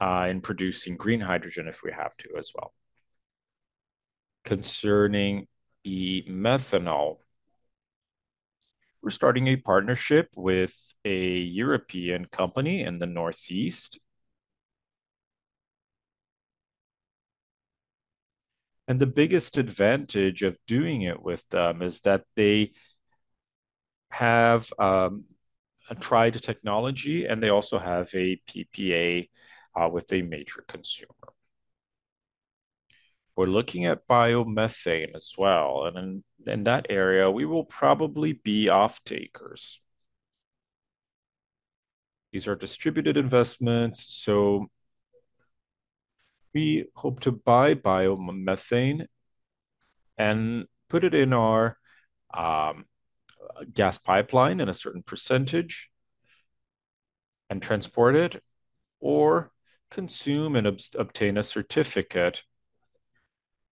in producing green hydrogen if we have to as well. Concerning the methanol, we're starting a partnership with a European company in the northeast. The biggest advantage of doing it with them is that they have a tried technology, and they also have a PPA with a major consumer. We're looking at biomethane as well, and in that area, we will probably be off-takers. These are distributed investments, so we hope to buy biomethane and put it in our gas pipeline in a certain percentage, and transport it, or consume and obtain a certificate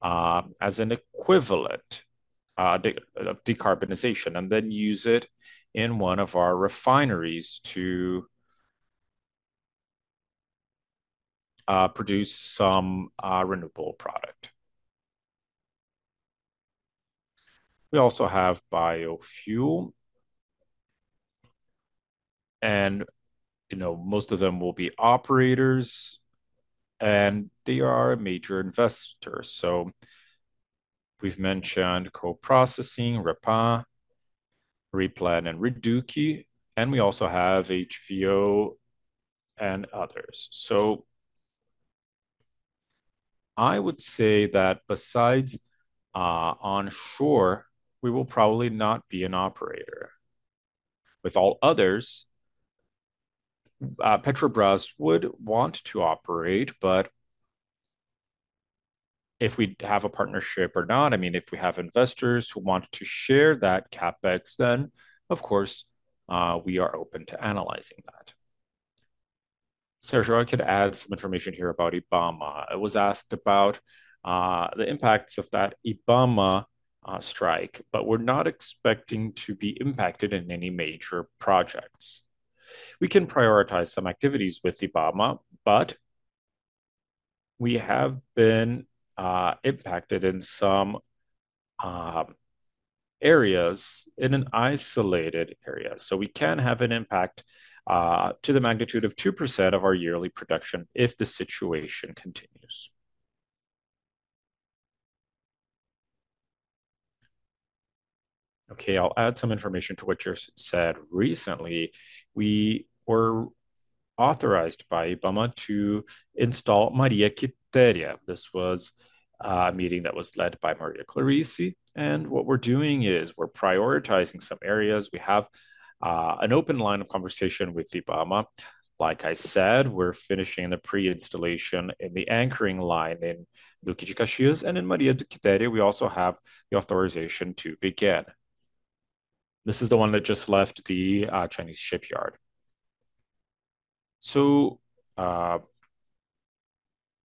as an equivalent of decarbonization, and then use it in one of our refineries to produce some renewable product. We also have biofuel, and, you know, most of them will be operators, and they are a major investor. So we've mentioned co-processing, REPAR, REPLAN, and Reduc, and we also have HVO and others. So I would say that besides, onshore, we will probably not be an operator. With all others, Petrobras would want to operate, but if we have a partnership or not, I mean, if we have investors who want to share that CapEx, then, of course, we are open to analyzing that. Sérgio, I could add some information here about Ibama. I was asked about, the impacts of that Ibama, strike, but we're not expecting to be impacted in any major projects. We can prioritize some activities with Ibama, but we have been, impacted in some, areas, in an isolated area. So we can have an impact to the magnitude of 2% of our yearly production if the situation continues. Okay, I'll add some information to what you said. Recently, we were authorized by Ibama to install Maria Quitéria. This was a meeting that was led by Clarice, and what we're doing is we're prioritizing some areas. We have an open line of conversation with Ibama. Like I said, we're finishing the pre-installation in the anchoring line in Búzios, and in Maria Quitéria, we also have the authorization to begin. This is the one that just left the Chinese shipyard. So,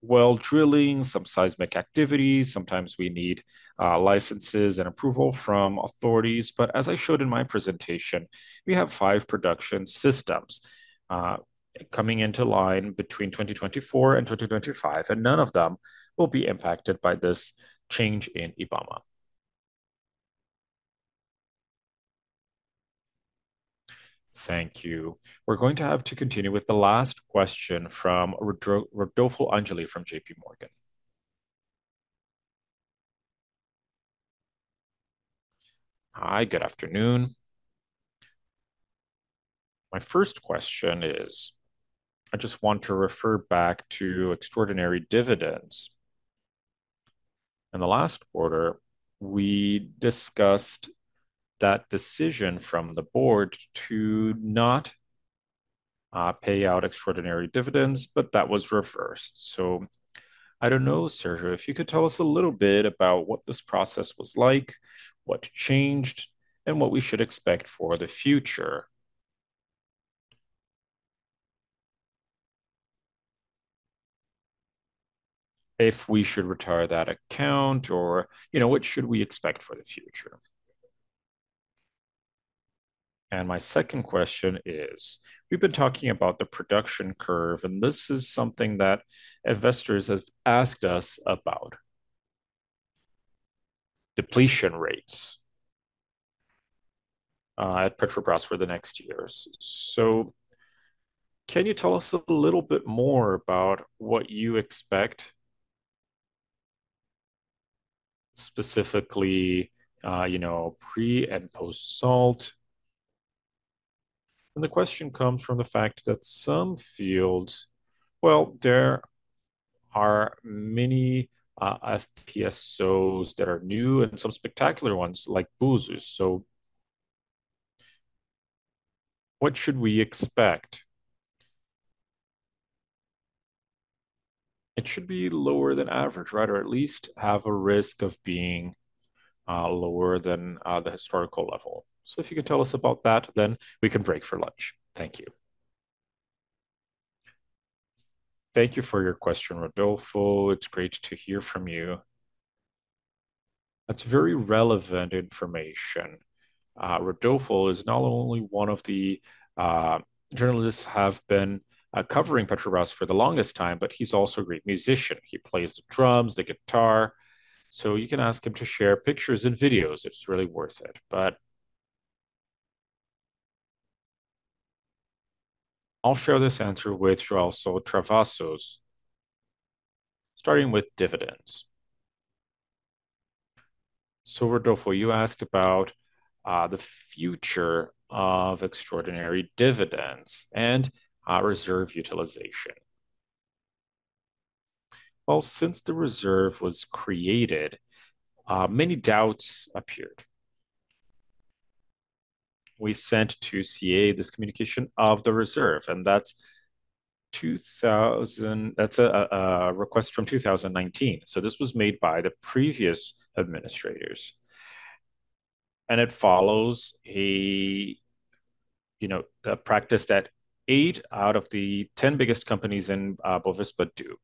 well, drilling some seismic activities, sometimes we need licenses and approval from authorities. But as I showed in my presentation, we have five production systems, coming into line between 2024 and 2025, and none of them will be impacted by this change in Ibama. Thank you. We're going to have to continue with the last question from Rodolfo Angele from J.P. Morgan. Hi, good afternoon. My first question is, I just want to refer back to extraordinary dividends. In the last quarter, we discussed that decision from the board to not pay out extraordinary dividends, but that was reversed. So I don't know, Sérgio, if you could tell us a little bit about what this process was like, what changed, and what we should expect for the future. If we should retire that account or, you know, what should we expect for the future? My second question is, we've been talking about the production curve, and this is something that investors have asked us about. Depletion rates at Petrobras for the next years. So can you tell us a little bit more about what you expect, specifically, you know, pre-salt and post-salt? And the question comes from the fact that some fields, well, there are many FPSOs that are new and some spectacular ones, like Búzios. So what should we expect? It should be lower than average, right, or at least have a risk of being lower than the historical level. So if you could tell us about that, then we can break for lunch. Thank you. Thank you for your question, Rodolfo. It's great to hear from you. That's very relevant information. Rodolfo is not only one of the journalists have been covering Petrobras for the longest time, but he's also a great musician. He plays the drums, the guitar, so you can ask him to share pictures and videos. It's really worth it. But I'll share this answer with Carlos Travassos, starting with dividends. So Rodolfo, you asked about the future of extraordinary dividends and reserve utilization. Well, since the reserve was created, many doubts appeared. We sent to CA this communication of the reserve, and that's 2000... That's a request from 2019. So this was made by the previous administrators, and it follows a, you know, a practice that eight out of the 10 biggest companies in Bovespa do.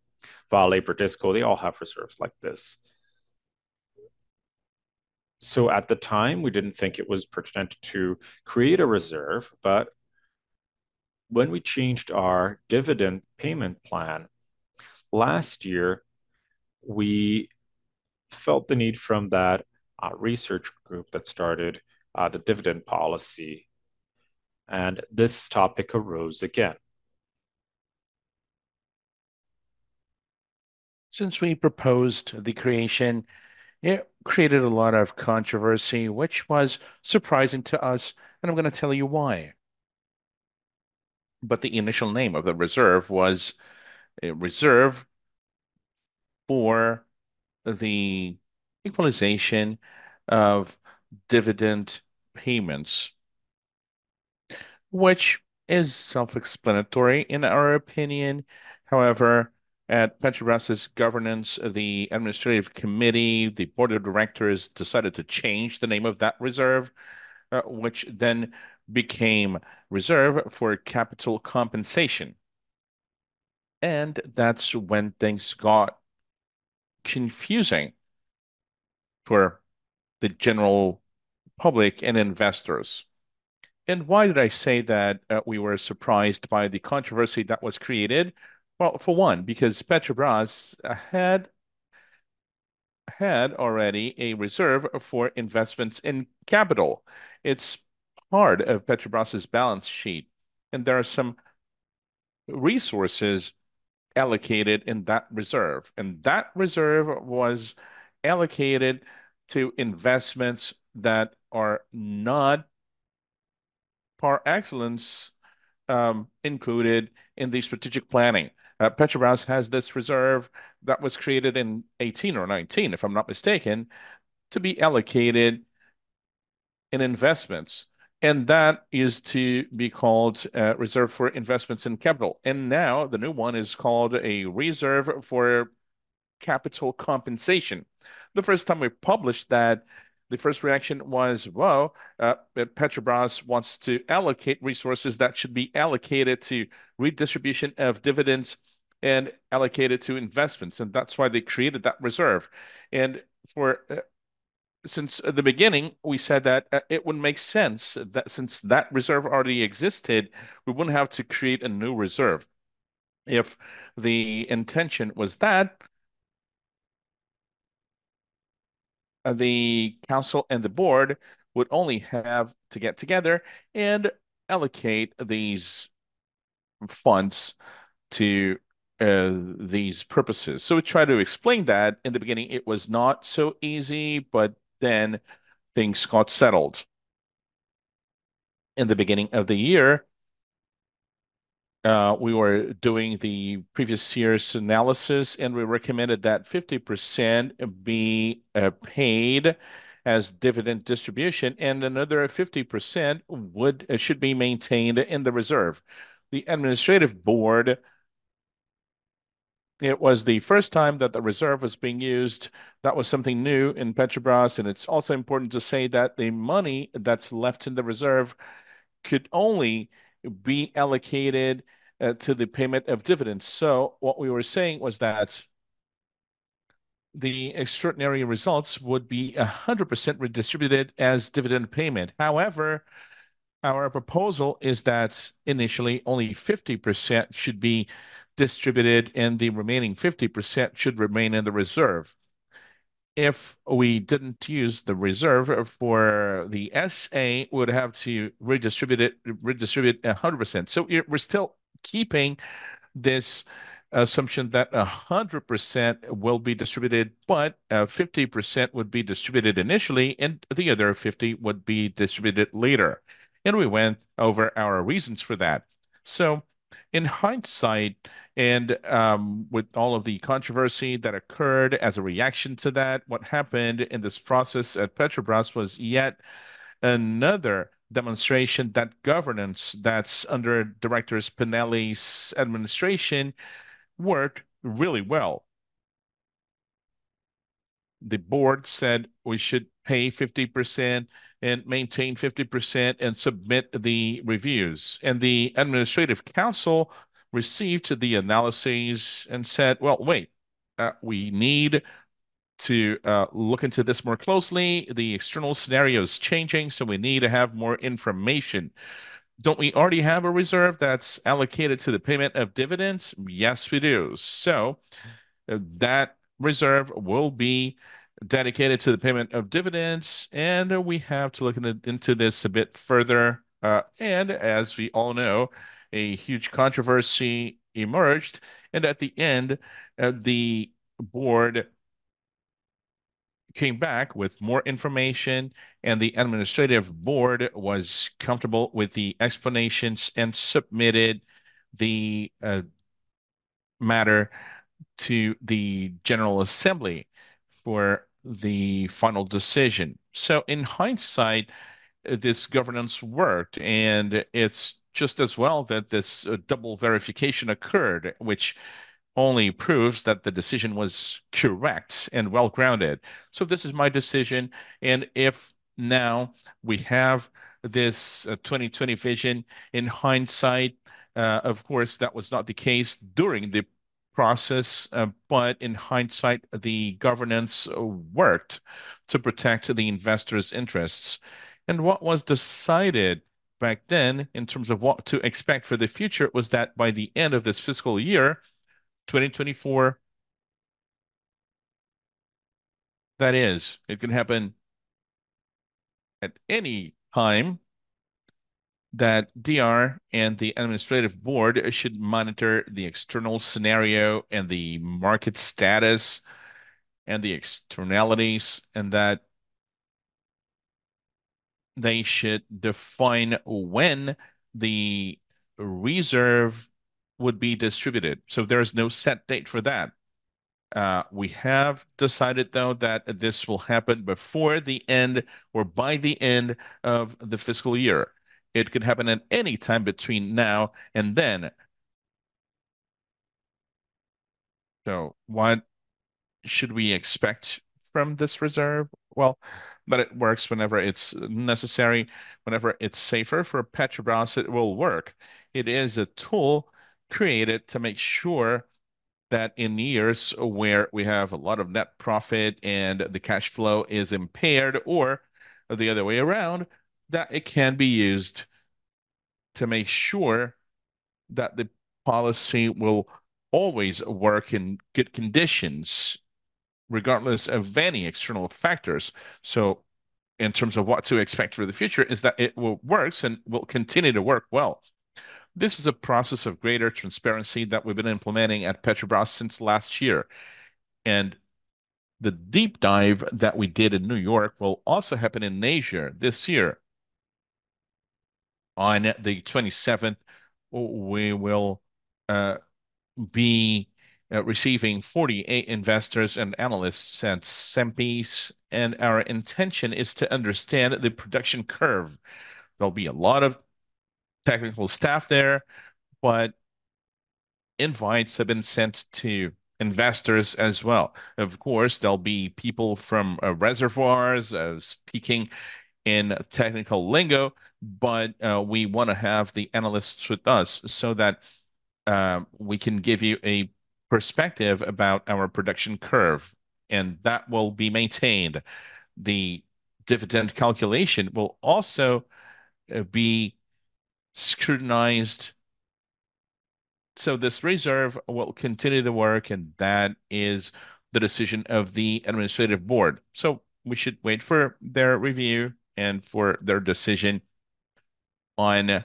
Vale, Bradesco, they all have reserves like this. ... So at the time, we didn't think it was pertinent to create a reserve, but when we changed our dividend payment plan last year, we felt the need from that research group that started the dividend policy, and this topic arose again. Since we proposed the creation, it created a lot of controversy, which was surprising to us, and I'm gonna tell you why. But the initial name of the reserve was a reserve for the equalization of dividend payments, which is self-explanatory in our opinion. However, at Petrobras' governance, the administrative committee, the board of directors, decided to change the name of that reserve, which then became reserve for capital compensation. And that's when things got confusing for the general public and investors. And why did I say that, we were surprised by the controversy that was created? Well, for one, because Petrobras had already a reserve for investments in capital. It's part of Petrobras' balance sheet, and there are some resources allocated in that reserve, and that reserve was allocated to investments that are not par excellence included in the strategic planning. Petrobras has this reserve that was created in 2018 or 2019, if I'm not mistaken, to be allocated in investments, and that is to be called reserve for investments in capital. And now, the new one is called a reserve for capital compensation. The first time we published that, the first reaction was, "Whoa! Petrobras wants to allocate resources that should be allocated to redistribution of dividends and allocated to investments, and that's why they created that reserve." And for... Since the beginning, we said that it would make sense, that since that reserve already existed, we wouldn't have to create a new reserve. If the intention was that, the council and the board would only have to get together and allocate these funds to these purposes. So we tried to explain that. In the beginning, it was not so easy, but then things got settled. In the beginning of the year, we were doing the previous year's analysis, and we recommended that 50% be paid as dividend distribution, and another 50% would... should be maintained in the reserve. The administrative board, it was the first time that the reserve was being used. That was something new in Petrobras, and it's also important to say that the money that's left in the reserve could only be allocated to the payment of dividends. So what we were saying was that the extraordinary results would be 100% redistributed as dividend payment. However, our proposal is that initially only 50% should be distributed, and the remaining 50% should remain in the reserve. If we didn't use the reserve for the SA, we would have to redistribute it 100%. So we're still keeping this assumption that 100% will be distributed, but 50% would be distributed initially, and the other 50% would be distributed later. And we went over our reasons for that. So in hindsight, and with all of the controversy that occurred as a reaction to that, what happened in this process at Petrobras was yet another demonstration that governance that's under Director Spinelli's administration worked really well. The board said we should pay 50% and maintain 50% and submit the reviews. The administrative council received the analyses and said: "Well, wait, we need to look into this more closely. The external scenario is changing, so we need to have more information. Don't we already have a reserve that's allocated to the payment of dividends?" Yes, we do. So, that reserve will be dedicated to the payment of dividends, and we have to look into this a bit further. And as we all know, a huge controversy emerged, and at the end, the board came back with more information, and the administrative board was comfortable with the explanations and submitted the matter to the general assembly for the final decision. So in hindsight, this governance worked, and it's just as well that this double verification occurred, which only proves that the decision was correct and well-grounded. So this is my decision, and if now we have this 20/20 vision, in hindsight, of course, that was not the case during the process, but in hindsight, the governance worked to protect the investors' interests. And what was decided back then, in terms of what to expect for the future, was that by the end of this fiscal year, 2024, that is, it can happen at any time, that DR and the administrative board should monitor the external scenario and the market status and the externalities, and that they should define when the reserve would be distributed. So there is no set date for that. We have decided, though, that this will happen before the end or by the end of the fiscal year. It could happen at any time between now and then. So what should we expect from this reserve? Well, but it works whenever it's necessary. Whenever it's safer for Petrobras, it will work. It is a tool created to make sure that in years where we have a lot of net profit and the cash flow is impaired, or the other way around, that it can be used to make sure that the policy will always work in good conditions, regardless of any external factors. So in terms of what to expect for the future, is that it works and will continue to work well. This is a process of greater transparency that we've been implementing at Petrobras since last year, and the deep dive that we did in New York will also happen in Asia this year. On the 27th, we will be receiving 48 investors and analysts at Cenpes, and our intention is to understand the production curve. There'll be a lot of technical staff there, but invites have been sent to investors as well. Of course, there'll be people from reservoirs speaking in technical lingo, but we wanna have the analysts with us so that we can give you a perspective about our production curve, and that will be maintained. The dividend calculation will also be scrutinized. So this reserve will continue to work, and that is the decision of the administrative board. So we should wait for their review and for their decision on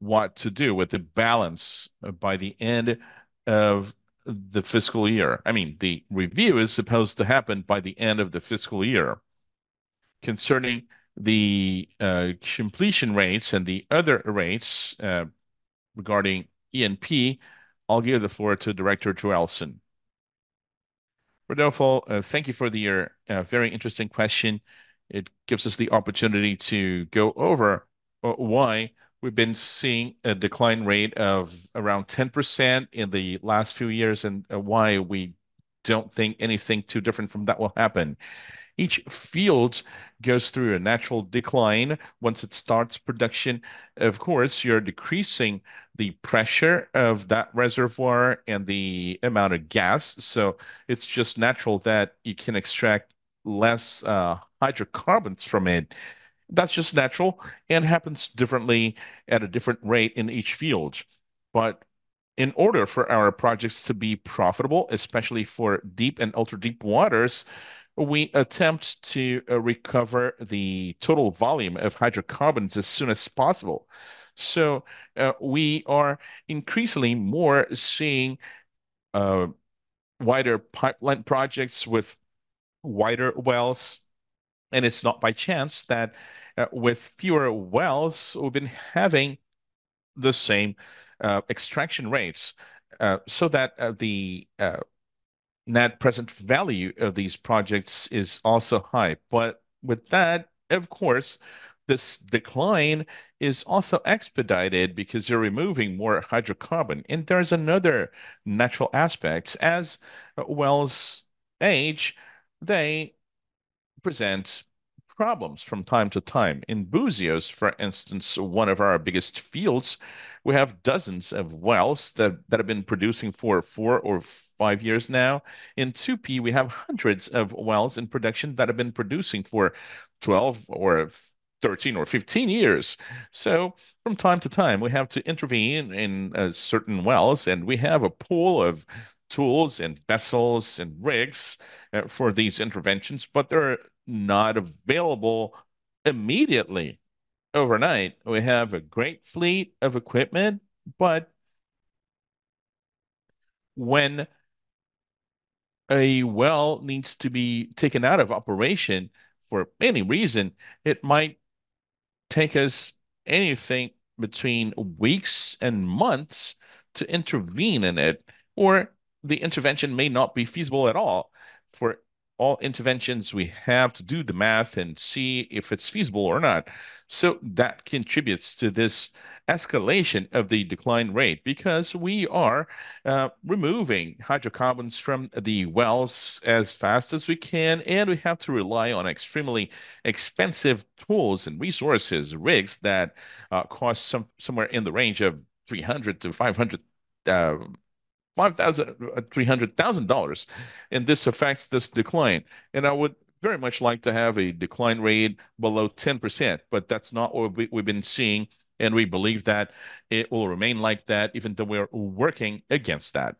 what to do with the balance by the end of the fiscal year. I mean, the review is supposed to happen by the end of the fiscal year. Concerning the completion rates and the other rates regarding E&P, I'll give the floor to Director Joelson. Rodolfo, thank you for your very interesting question. It gives us the opportunity to go over why we've been seeing a decline rate of around 10% in the last few years, and why we don't think anything too different from that will happen. Each field goes through a natural decline once it starts production. Of course, you're decreasing the pressure of that reservoir and the amount of gas, so it's just natural that you can extract less hydrocarbons from it. That's just natural and happens differently at a different rate in each field. But in order for our projects to be profitable, especially for deep and ultra-deep waters, we attempt to recover the total volume of hydrocarbons as soon as possible. So, we are increasingly more seeing wider pipeline projects with wider wells, and it's not by chance that with fewer wells, we've been having the same extraction rates, so that the net present value of these projects is also high. But with that, of course, this decline is also expedited because you're removing more hydrocarbon. And there's another natural aspect: as wells age, they present problems from time to time. In Búzios, for instance, one of our biggest fields, we have dozens of wells that have been producing for four or five years now. In Tupi, we have hundreds of wells in production that have been producing for 12 or 13 or 15 years. So from time to time, we have to intervene in certain wells, and we have a pool of tools and vessels and rigs for these interventions, but they're not available immediately, overnight. We have a great fleet of equipment, but when a well needs to be taken out of operation, for any reason, it might take us anything between weeks and months to intervene in it, or the intervention may not be feasible at all. For all interventions, we have to do the math and see if it's feasible or not. So that contributes to this escalation of the decline rate, because we are removing hydrocarbons from the wells as fast as we can, and we have to rely on extremely expensive tools and resources, rigs that cost somewhere in the range of $300,000-$500,000, and this affects this decline. And I would very much like to have a decline rate below 10%, but that's not what we've been seeing, and we believe that it will remain like that, even though we're working against that.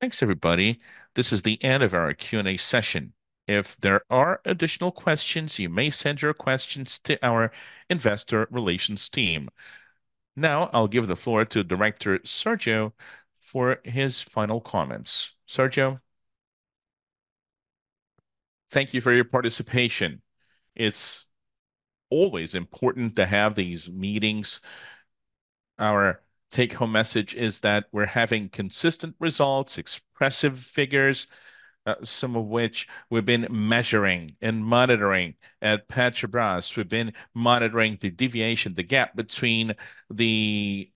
Thanks, everybody. This is the end of our Q&A session. If there are additional questions, you may send your questions to our investor relations team. Now, I'll give the floor to Director Sérgio for his final comments. Sérgio? Thank you for your participation. It's always important to have these meetings. Our take-home message is that we're having consistent results, expressive figures, some of which we've been measuring and monitoring at Petrobras. We've been monitoring the deviation, the gap between the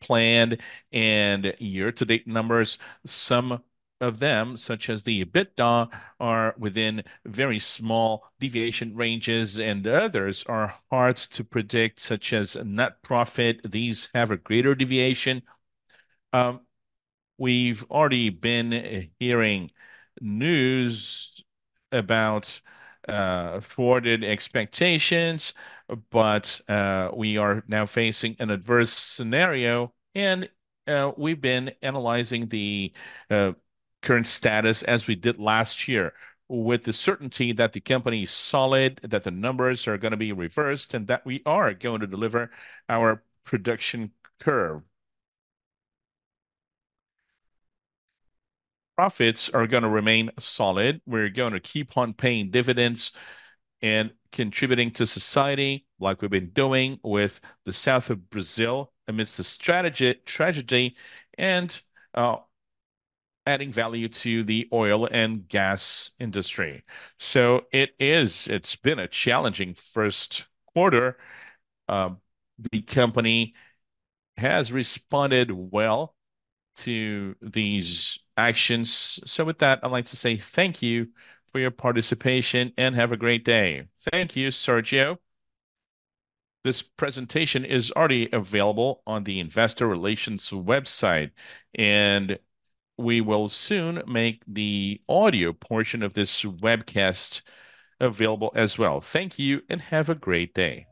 planned and year-to-date numbers. Some of them, such as the EBITDA, are within very small deviation ranges, and the others are hard to predict, such as net profit. These have a greater deviation. We've already been hearing news about thwarted expectations, but we are now facing an adverse scenario, and we've been analyzing the current status as we did last year, with the certainty that the company is solid, that the numbers are gonna be reversed, and that we are going to deliver our production curve. Profits are gonna remain solid. We're going to keep on paying dividends and contributing to society, like we've been doing with the South of Brazil amidst the tragedy, and adding value to the oil and gas industry. So it is. It's been a challenging first quarter. The company has responded well to these actions. So with that, I'd like to say thank you for your participation, and have a great day. Thank you, Sérgio. This presentation is already available on the investor relations website, and we will soon make the audio portion of this webcast available as well. Thank you, and have a great day.